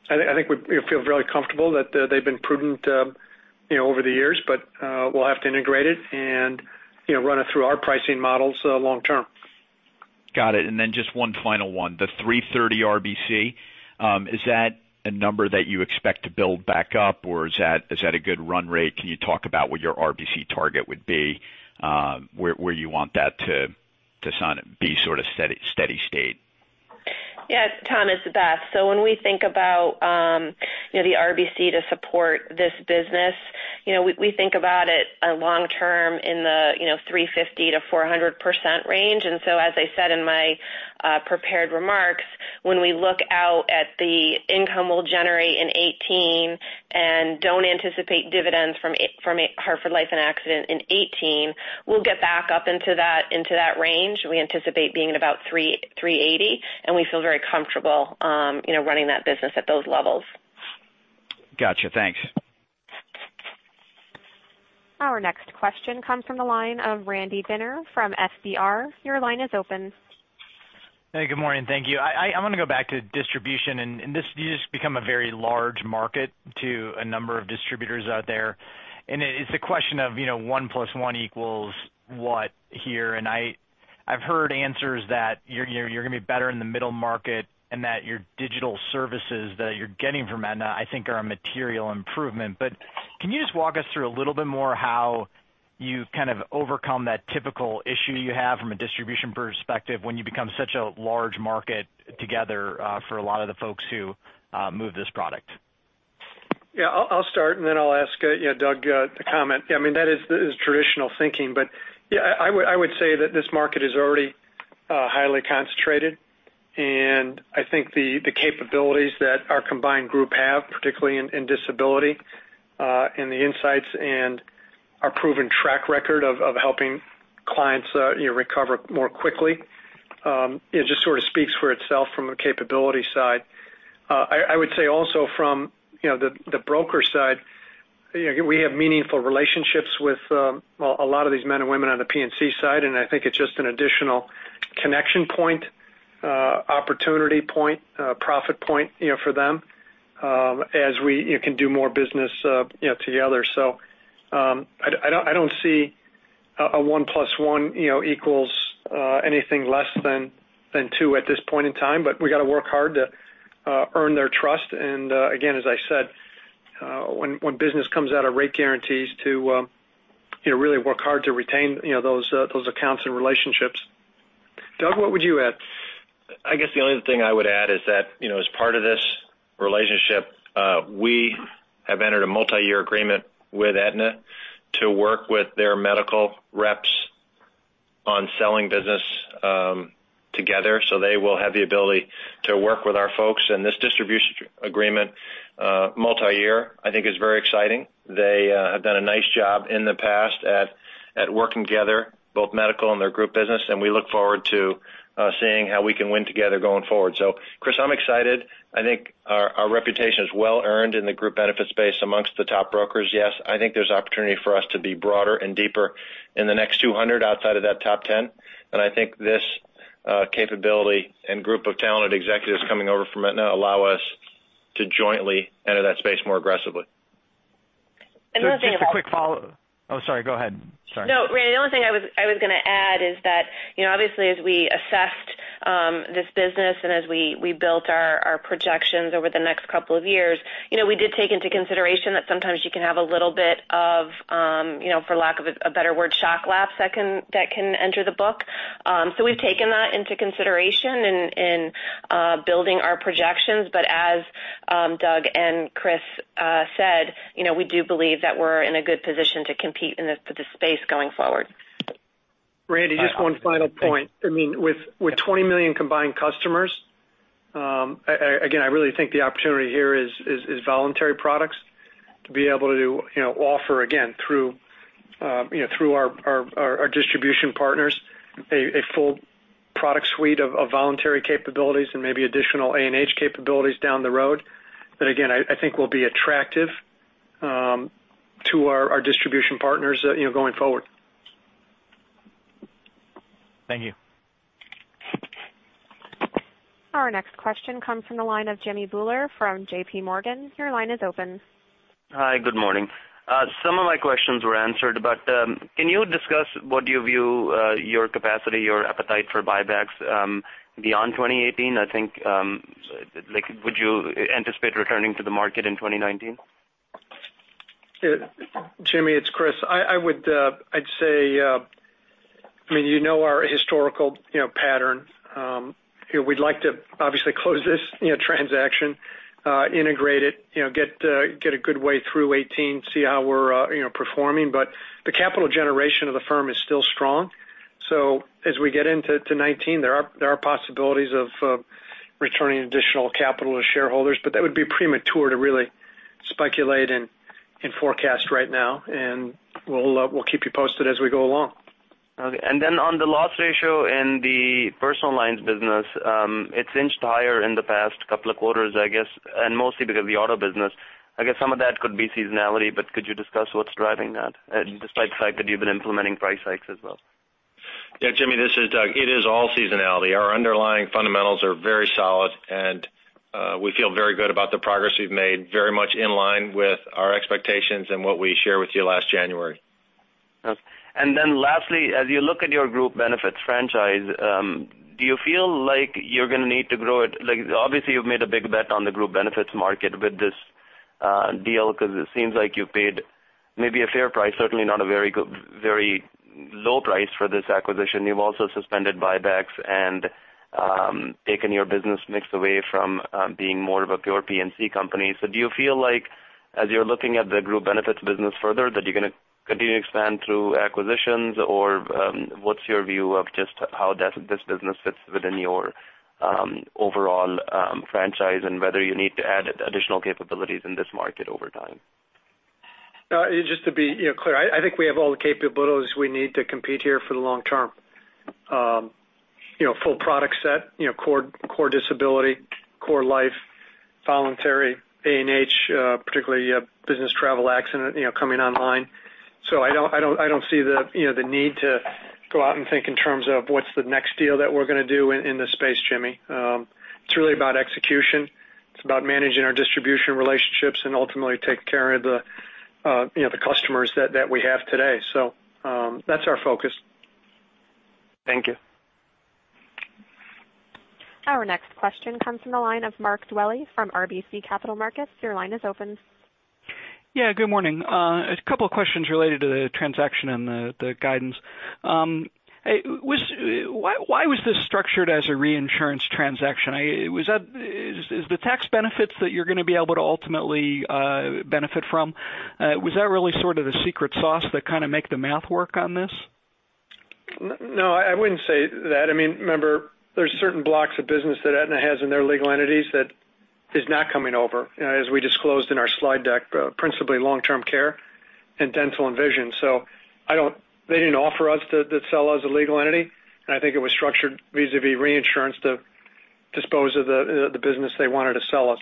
think we feel very comfortable that they've been prudent over the years. We'll have to integrate it and run it through our pricing models long-term. Got it. Just one final one, the 330% RBC, is that a number that you expect to build back up, or is that a good run rate? Can you talk about what your RBC target would be, where you want that to be sort of steady state? Yeah. Tom, it's Beth. When we think about the RBC to support this business, we think about it long-term in the 350%-400% range. As I said in my prepared remarks, when we look out at the income we'll generate in 2018 and don't anticipate dividends from Hartford Life and Accident in 2018, we'll get back up into that range. We anticipate being at about 380%, and we feel very comfortable running that business at those levels. Got you. Thanks. Our next question comes from the line of Randy Binner from FBR & Co.. Your line is open. Hey, good morning. Thank you. I want to go back to distribution. This has become a very large market to a number of distributors out there. It's a question of one plus one equals what here. I've heard answers that you're going to be better in the middle market and that your digital services that you're getting from Aetna, I think, are a material improvement. Can you just walk us through a little bit more how you kind of overcome that typical issue you have from a distribution perspective when you become such a large market together for a lot of the folks who move this product? Yeah, I'll start. Then I'll ask Doug to comment. That is traditional thinking. I would say that this market is already highly concentrated. I think the capabilities that our combined group have, particularly in disability, the insights and our proven track record of helping clients recover more quickly, it just sort of speaks for itself from a capability side. I would say also from the broker side, we have meaningful relationships with a lot of these men and women on the P&C side. I think it's just an additional connection point, opportunity point, profit point for them as we can do more business together. I don't see a one plus one equals anything less than two at this point in time. We've got to work hard to earn their trust. Again, as I said, when business comes out of rate guarantees to really work hard to retain those accounts and relationships. Doug, what would you add? I guess the only thing I would add is that as part of this relationship, we have entered a multi-year agreement with Aetna to work with their medical reps on selling business together, they will have the ability to work with our folks. This distribution agreement, multi-year, I think is very exciting. They have done a nice job in the past at working together, both medical and their Group Benefits business, and we look forward to seeing how we can win together going forward. Chris, I'm excited. I think our reputation is well-earned in the Group Benefits space amongst the top brokers. Yes, I think there's opportunity for us to be broader and deeper in the next 200 outside of that top 10. I think this capability and group of talented executives coming over from Aetna allow us to jointly enter that space more aggressively. The only thing I Just a quick follow-up. Oh, sorry, go ahead. Sorry. Randy, the only thing I was going to add is that obviously as we assessed this business and as we built our projections over the next couple of years, we did take into consideration that sometimes you can have a little bit of, for lack of a better word, shock lapse that can enter the book. We've taken that into consideration in building our projections. As Doug and Chris said, we do believe that we're in a good position to compete in this space going forward. Randy, just one final point. With 20 million combined customers, again, I really think the opportunity here is voluntary products to be able to offer, again, through our distribution partners, a full product suite of voluntary capabilities and maybe additional A&H capabilities down the road that again, I think will be attractive to our distribution partners going forward. Thank you. Our next question comes from the line of Jimmy Bhullar from JPMorgan. Your line is open. Hi, good morning. Some of my questions were answered. Can you discuss what you view your capacity, your appetite for buybacks beyond 2018? I think, would you anticipate returning to the market in 2019? Jimmy, it's Chris. I'd say, you know our historical pattern. We'd like to obviously close this transaction, integrate it, get a good way through 2018, see how we're performing. The capital generation of the firm is still strong. As we get into 2019, there are possibilities of returning additional capital to shareholders, but that would be premature to really speculate and forecast right now. We'll keep you posted as we go along. Okay. On the loss ratio in the personal lines business, it's inched higher in the past couple of quarters, I guess, and mostly because of the auto business. I guess some of that could be seasonality, but could you discuss what's driving that, despite the fact that you've been implementing price hikes as well? Yeah, Jimmy, this is Doug. It is all seasonality. Our underlying fundamentals are very solid, and we feel very good about the progress we've made, very much in line with our expectations and what we shared with you last January. Lastly, as you look at your Group Benefits franchise, do you feel like you're going to need to grow it? Obviously, you've made a big bet on the Group Benefits market with this deal because it seems like you paid maybe a fair price, certainly not a very low price for this acquisition. You've also suspended buybacks and taken your business mix away from being more of a pure P&C company. Do you feel like as you're looking at the Group Benefits business further, that you're going to continue to expand through acquisitions? Or what's your view of just how this business fits within your overall franchise and whether you need to add additional capabilities in this market over time? Just to be clear, I think we have all the capabilities we need to compete here for the long term. Full product set, core disability, core life, voluntary, A&H, particularly business travel accident coming online. I don't see the need to go out and think in terms of what's the next deal that we're going to do in this space, Jimmy. It's really about execution. It's about managing our distribution relationships and ultimately taking care of the customers that we have today. That's our focus. Thank you. Our next question comes from the line of Mark Dwelle from RBC Capital Markets. Your line is open. good morning. A couple of questions related to the transaction and the guidance. Why was this structured as a reinsurance transaction? Is the tax benefits that you're going to be able to ultimately benefit from, was that really sort of the secret sauce that kind of make the math work on this? I wouldn't say that. Remember, there's certain blocks of business that Aetna has in their legal entities that is not coming over. As we disclosed in our slide deck, principally long-term care and dental and vision. They didn't offer us to sell as a legal entity, and I think it was structured vis-a-vis reinsurance to dispose of the business they wanted to sell us.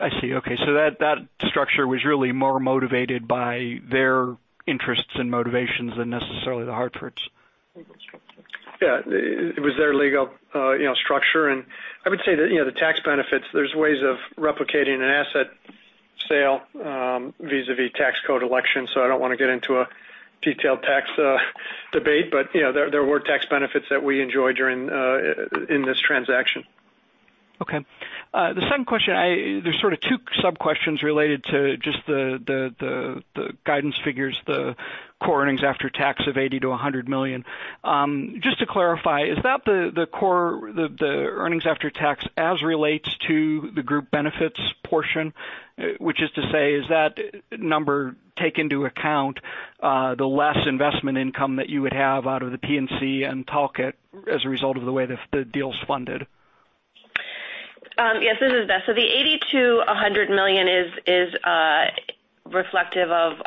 I see. Okay. That structure was really more motivated by their interests and motivations than necessarily The Hartford's legal structure. It was their legal structure. I would say that the tax benefits, there's ways of replicating an asset sale vis-a-vis tax code election. I don't want to get into a detailed tax debate, but there were tax benefits that we enjoyed in this transaction. Okay. The second question, there is sort of two sub-questions related to just the guidance figures, the core earnings after tax of $80 million-$100 million. Just to clarify, is that the earnings after tax as relates to the Group Benefits portion? Which is to say, is that number take into account the less investment income that you would have out of the P&C and Talcott as a result of the way the deal is funded? Yes, this is Beth. The $80 million-$100 million is reflective of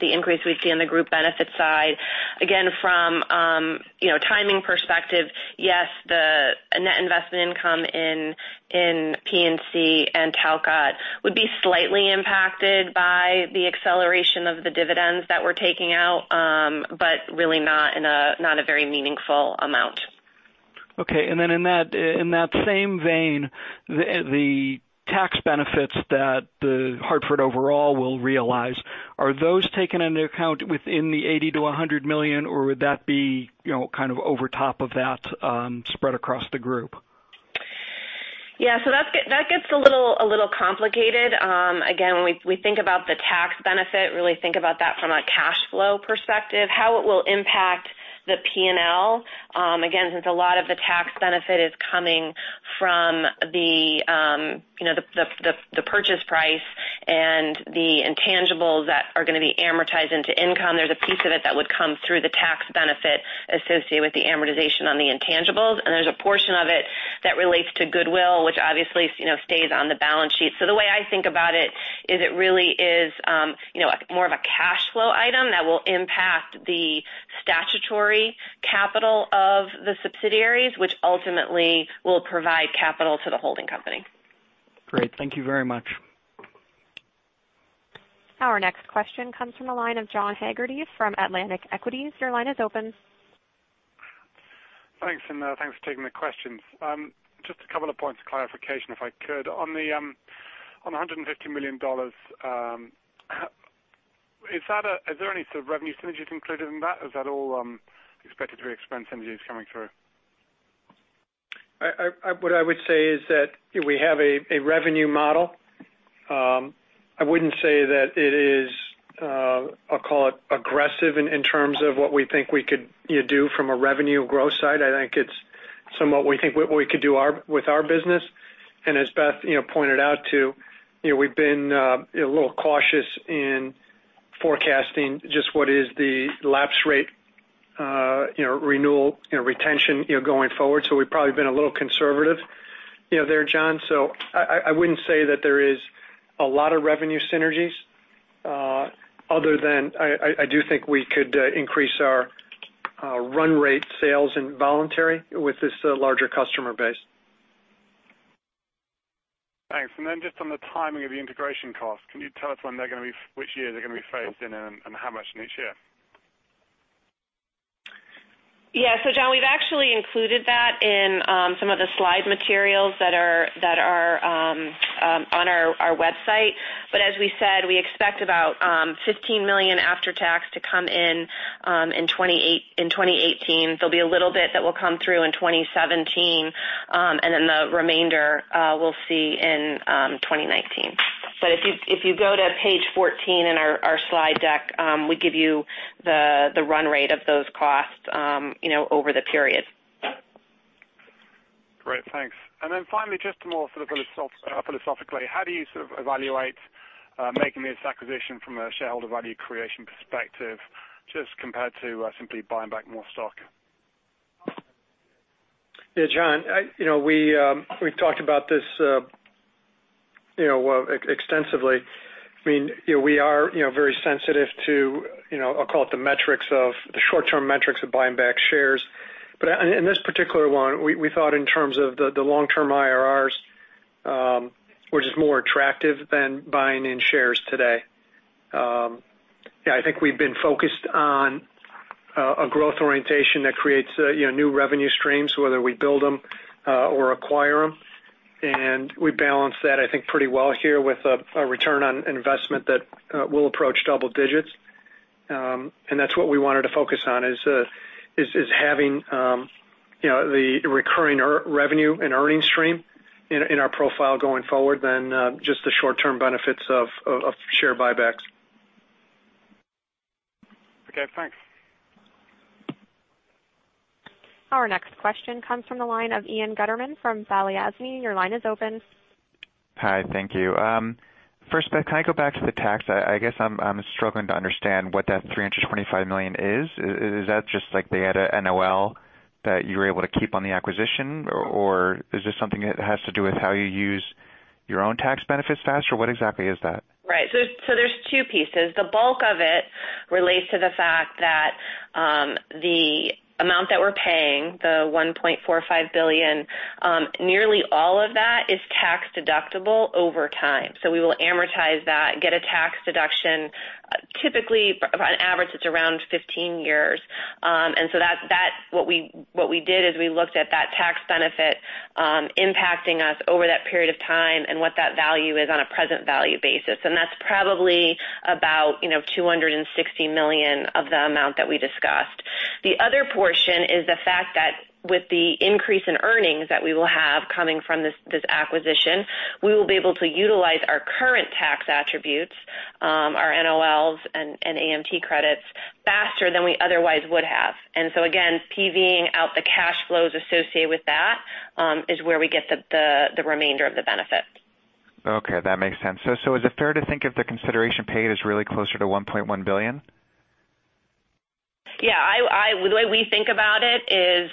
the increase we see on the Group Benefits side. Again, from timing perspective, yes, the net investment income in P&C and Talcott would be slightly impacted by the acceleration of the dividends that we're taking out, but really not in a very meaningful amount. Okay. In that same vein, the tax benefits that The Hartford overall will realize, are those taken into account within the $80 million-$100 million, or would that be kind of over top of that spread across the group? Yeah. That gets a little complicated. Again, when we think about the tax benefit, really think about that from a cash flow perspective, how it will impact the P&L. Again, since a lot of the tax benefit is coming from the purchase price and the intangibles that are going to be amortized into income, there's a piece of it that would come through the tax benefit associated with the amortization on the intangibles. There's a portion of it that relates to goodwill, which obviously stays on the balance sheet. The way I think about it is it really is more of a cash flow item that will impact the statutory capital of the subsidiaries, which ultimately will provide capital to the holding company. Great. Thank you very much. Our next question comes from the line of John Nadel from Piper Jaffray. Your line is open. Thanks for taking the questions. Just a couple of points of clarification, if I could. On the $150 million, is there any sort of revenue synergies included in that? Is that all expected to be expense synergies coming through? What I would say is that we have a revenue model. I wouldn't say that it is, I'll call it aggressive in terms of what we think we could do from a revenue growth side. I think it's somewhat we think what we could do with our business. As Beth pointed out too, we've been a little cautious in forecasting just what is the lapse rate, renewal, retention going forward. We've probably been a little conservative there, John. I wouldn't say that there is a lot of revenue synergies other than I do think we could increase our run rate sales in voluntary with this larger customer base. Just on the timing of the integration cost, can you tell us which year they are going to be phased in and how much in each year? Yeah. John, we have actually included that in some of the slide materials that are on our website. As we said, we expect about $15 million after-tax to come in 2018. There will be a little bit that will come through in 2017. The remainder, we will see in 2019. If you go to page 14 in our slide deck, we give you the run rate of those costs over the period. Great. Thanks. Finally, just more philosophically, how do you sort of evaluate making this acquisition from a shareholder value creation perspective, just compared to simply buying back more stock? Yeah, John. We have talked about this extensively. We are very sensitive to, I will call it the short-term metrics of buying back shares. In this particular one, we thought in terms of the long-term IRRs, which is more attractive than buying in shares today. Yeah, I think we have been focused on a growth orientation that creates new revenue streams, whether we build them or acquire them. We balance that, I think, pretty well here with a return on investment that will approach double digits. That is what we wanted to focus on, is having the recurring revenue and earnings stream in our profile going forward than just the short-term benefits of share buybacks. Okay, thanks. Our next question comes from the line of Ian Gutterman from Balyasny Asset Management. Your line is open. Hi, thank you. First, can I go back to the tax? I guess I'm struggling to understand what that $325 million is. Is that just like they had a NOL that you were able to keep on the acquisition? Or is this something that has to do with how you use your own tax benefits faster? What exactly is that? Right. There's two pieces. The bulk of it relates to the fact that the amount that we're paying, the $1.45 billion, nearly all of that is tax deductible over time. We will amortize that, get a tax deduction. Typically, on average, it's around 15 years. What we did is we looked at that tax benefit impacting us over that period of time and what that value is on a present value basis. That's probably about $260 million of the amount that we discussed. The other portion is the fact that with the increase in earnings that we will have coming from this acquisition, we will be able to utilize our current tax attributes, our NOLs and AMT credits faster than we otherwise would have. Again, PV-ing out the cash flows associated with that, is where we get the remainder of the benefit. Okay, that makes sense. Is it fair to think if the consideration paid is really closer to $1.1 billion? Yeah. The way we think about it is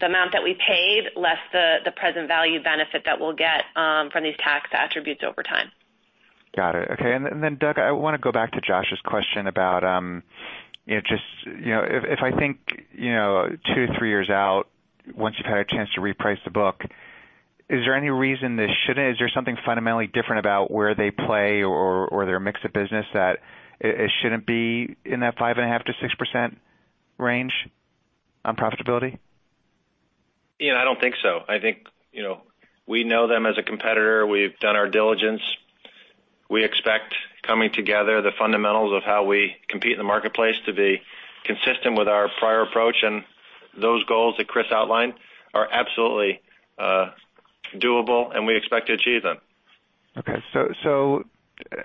the amount that we paid less the present value benefit that we'll get from these tax attributes over time. Got it. Okay. Doug, I want to go back to Josh's question about if I think two to three years out, once you've had a chance to reprice the book, is there something fundamentally different about where they play or their mix of business that it shouldn't be in that 5.5%-6% range on profitability? Ian, I don't think so. I think we know them as a competitor. We've done our diligence. We expect coming together the fundamentals of how we compete in the marketplace to be consistent with our prior approach. Those goals that Chris outlined are absolutely doable, and we expect to achieve them. Okay.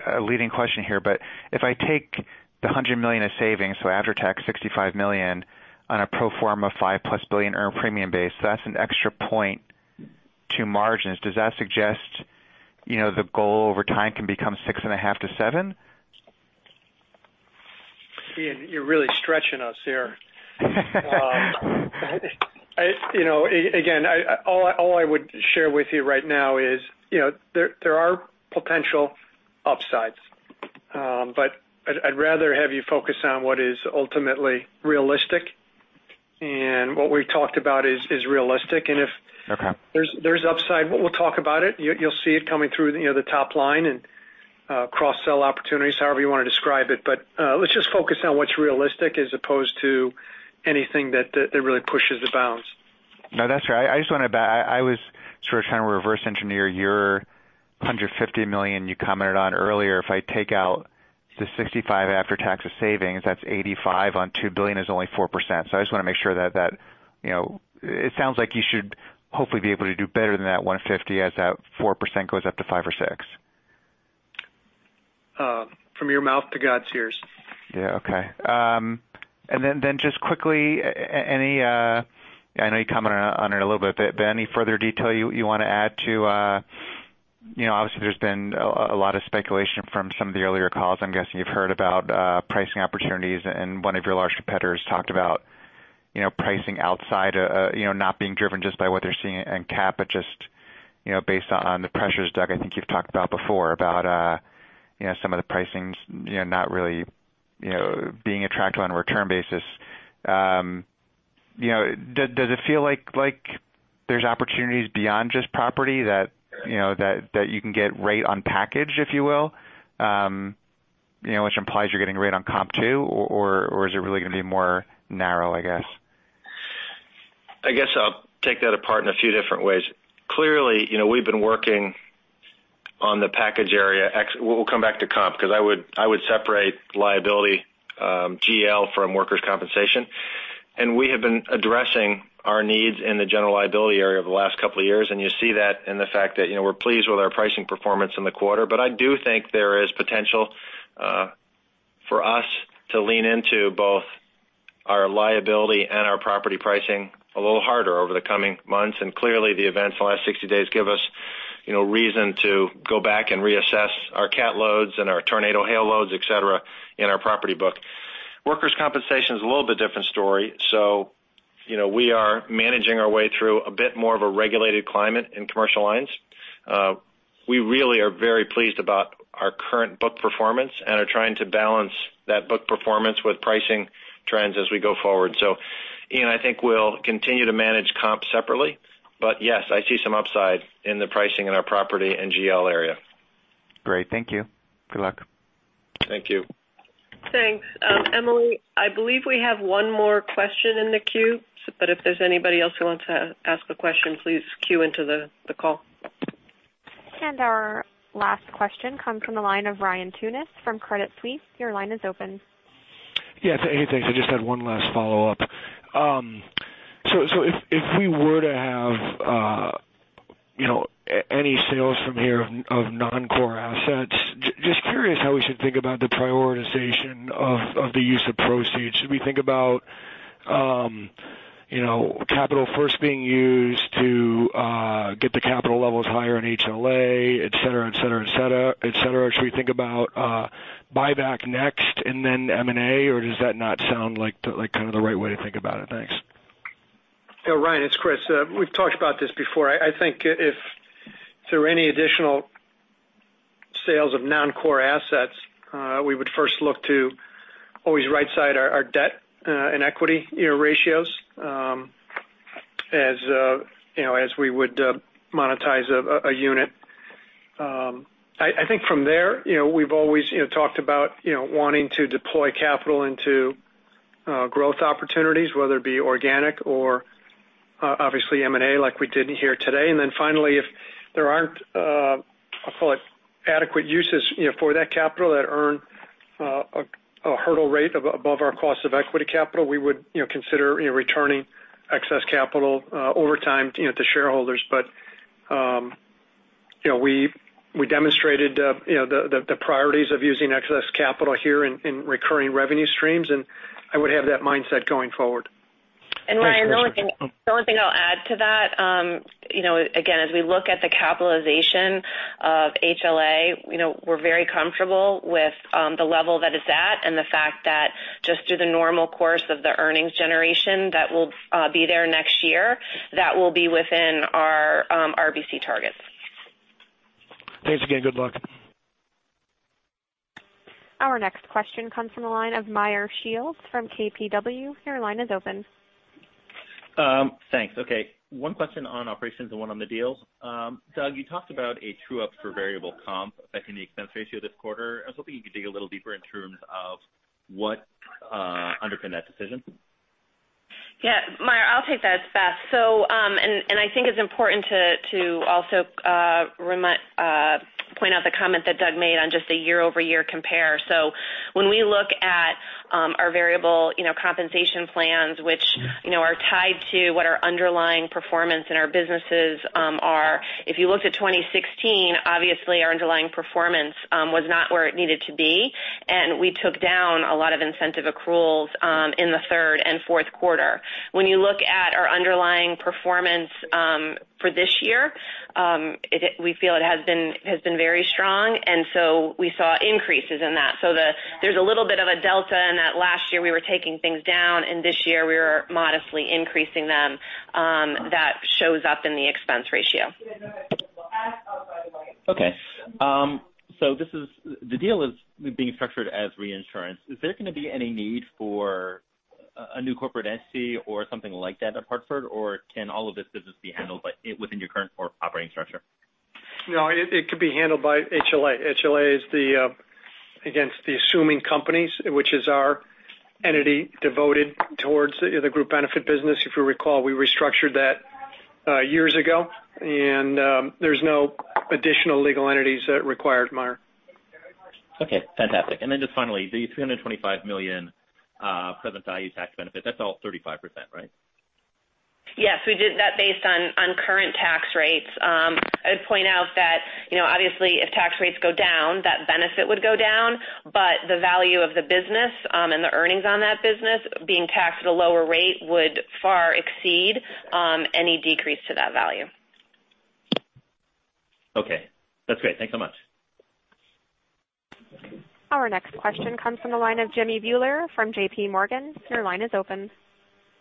A leading question here, but if I take the $100 million of savings, after tax $65 million on a pro forma $5+ billion earned premium base, that's an extra point to margins. Does that suggest the goal over time can become 6.5%-7%? Ian, you're really stretching us here. Again, all I would share with you right now is there are potential upsides. I'd rather have you focus on what is ultimately realistic. What we've talked about is realistic. Okay. If there's upside, we'll talk about it. You'll see it coming through the top line and cross-sell opportunities, however you want to describe it. Let's just focus on what's realistic as opposed to anything that really pushes the bounds. No, that's fair. I was sort of trying to reverse engineer your 150 million you commented on earlier. If I take out the 65 after tax of savings, that's 85 on $2 billion is only 4%. I just want to make sure that it sounds like you should hopefully be able to do better than that 150 as that 4% goes up to five or six. From your mouth to God's ears. Yeah. Okay. Just quickly, I know you commented on it a little bit, but any further detail you want to add to-- obviously there's been a lot of speculation from some of the earlier calls. I'm guessing you've heard about pricing opportunities, and one of your large competitors talked about pricing outside, not being driven just by what they're seeing in cat, but just based on the pressures, Doug, I think you've talked about before, about some of the pricings not really being attractive on a return basis. Does it feel like there's opportunities beyond just property that you can get rate unpackaged, if you will? Which implies you're getting rate on comp too, or is it really going to be more narrow, I guess? I guess I'll take that apart in a few different ways. Clearly, we've been working on the package area. We'll come back to comp because I would separate liability GL from workers' compensation. We have been addressing our needs in the general liability area over the last couple of years, and you see that in the fact that we're pleased with our pricing performance in the quarter. I do think there is potential for us to lean into both our liability and our property pricing a little harder over the coming months. Clearly, the events of the last 60 days give us reason to go back and reassess our cat loads and our tornado hail loads, et cetera, in our property book. Workers' compensation is a little bit different story. We are managing our way through a bit more of a regulated climate in commercial lines. We really are very pleased about our current book performance and are trying to balance that book performance with pricing trends as we go forward. Ian, I think we'll continue to manage comp separately, but yes, I see some upside in the pricing in our property and GL area. Great. Thank you. Good luck. Thank you. Thanks. Emily, I believe we have one more question in the queue. If there's anybody else who wants to ask a question, please queue into the call. Our last question comes from the line of Ryan Tunis from Credit Suisse. Your line is open. Yeah, hey, thanks. I just had one last follow-up. If we were to have any sales from here of non-core assets, just curious how we should think about the prioritization of the use of proceeds. Should we think about capital first being used to get the capital levels higher in HLA, et cetera? Should we think about buyback next and then M&A, or does that not sound like the right way to think about it? Thanks. Yeah, Ryan, it's Chris. We've talked about this before. I think if there were any additional sales of non-core assets, we would first look to always rightside our debt and equity ratios as we would monetize a unit. I think from there, we've always talked about wanting to deploy capital into growth opportunities, whether it be organic or obviously M&A, like we did here today. Then finally, if there aren't adequate uses for that capital that earn a hurdle rate above our cost of equity capital, we would consider returning excess capital over time to shareholders. We demonstrated the priorities of using excess capital here in recurring revenue streams, and I would have that mindset going forward. Thanks, Chris. Ryan, the only thing I'll add to that, again, as we look at the capitalization of HLA, we're very comfortable with the level that it's at, and the fact that just through the normal course of the earnings generation that will be there next year, that will be within our RBC targets. Thanks again. Good luck. Our next question comes from the line of Meyer Shields from KBW. Your line is open. Thanks. Okay. One question on operations and one on the deals. Doug, you talked about a true-up for variable comp affecting the expense ratio this quarter. I was hoping you could dig a little deeper in terms of what underpinned that decision. Yeah. Meyer, I'll take that. It's Beth. I think it's important to also point out the comment that Doug made on just a year-over-year compare. When we look at our variable compensation plans, which are tied to what our underlying performance in our businesses are, if you looked at 2016, obviously our underlying performance was not where it needed to be, and we took down a lot of incentive accruals in the third and fourth quarter. When you look at our underlying performance for this year, we feel it has been very strong, and we saw increases in that. There's a little bit of a delta in that last year we were taking things down, and this year we were modestly increasing them. That shows up in the expense ratio. Okay. The deal is being structured as reinsurance. Is there going to be any need for a new corporate entity or something like that at The Hartford, or can all of this business be handled within your current operating structure? No, it could be handled by HLA. HLA is the, again, the assuming companies, which is our entity devoted towards the Group Benefits business. If you recall, we restructured that years ago, and there's no additional legal entities required, Meyer. Okay, fantastic. Just finally, the $325 million present value tax benefit, that's all 35%, right? Yes, we did that based on current tax rates. I'd point out that obviously if tax rates go down, that benefit would go down, but the value of the business and the earnings on that business being taxed at a lower rate would far exceed any decrease to that value. Okay. That's great. Thanks so much. Our next question comes from the line of Jimmy Bhullar from JPMorgan. Your line is open.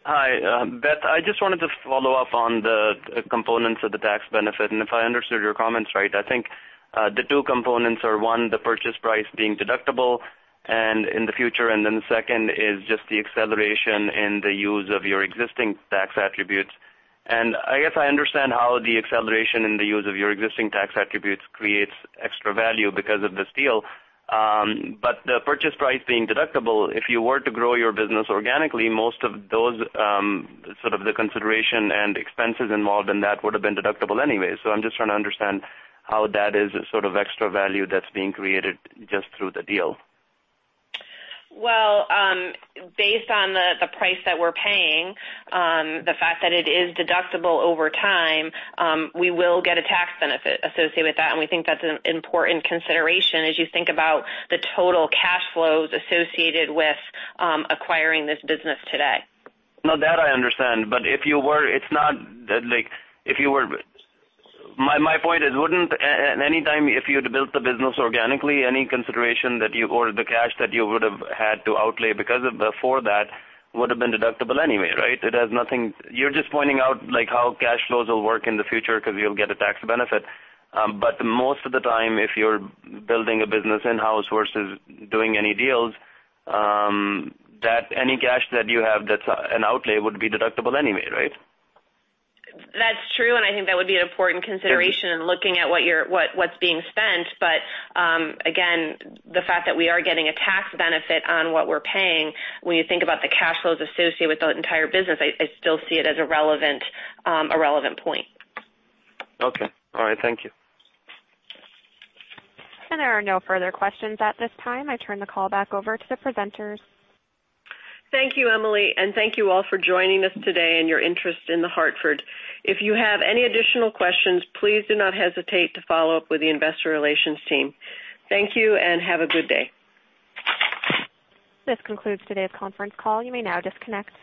Hi, Beth. I just wanted to follow up on the components of the tax benefit, and if I understood your comments right, I think The two components are, one, the purchase price being deductible and in the future, the second is just the acceleration in the use of your existing tax attributes. I guess I understand how the acceleration in the use of your existing tax attributes creates extra value because of this deal. The purchase price being deductible, if you were to grow your business organically, most of those sort of the consideration and expenses involved in that would have been deductible anyway. I'm just trying to understand how that is sort of extra value that's being created just through the deal. Well, based on the price that we're paying, the fact that it is deductible over time, we will get a tax benefit associated with that, we think that's an important consideration as you think about the total cash flows associated with acquiring this business today. No, that I understand. My point is, wouldn't any time if you'd built the business organically, any consideration that you or the cash that you would have had to outlay because of before that would have been deductible anyway, right? You're just pointing out how cash flows will work in the future because you'll get a tax benefit. Most of the time, if you're building a business in-house versus doing any deals, any cash that you have that's an outlay would be deductible anyway, right? That's true, I think that would be an important consideration in looking at what's being spent. Again, the fact that we are getting a tax benefit on what we're paying, when you think about the cash flows associated with the entire business, I still see it as a relevant point. Okay. All right. Thank you. There are no further questions at this time. I turn the call back over to the presenters. Thank you, Emily, and thank you all for joining us today and your interest in The Hartford. If you have any additional questions, please do not hesitate to follow up with the investor relations team. Thank you and have a good day. This concludes today's conference call. You may now disconnect.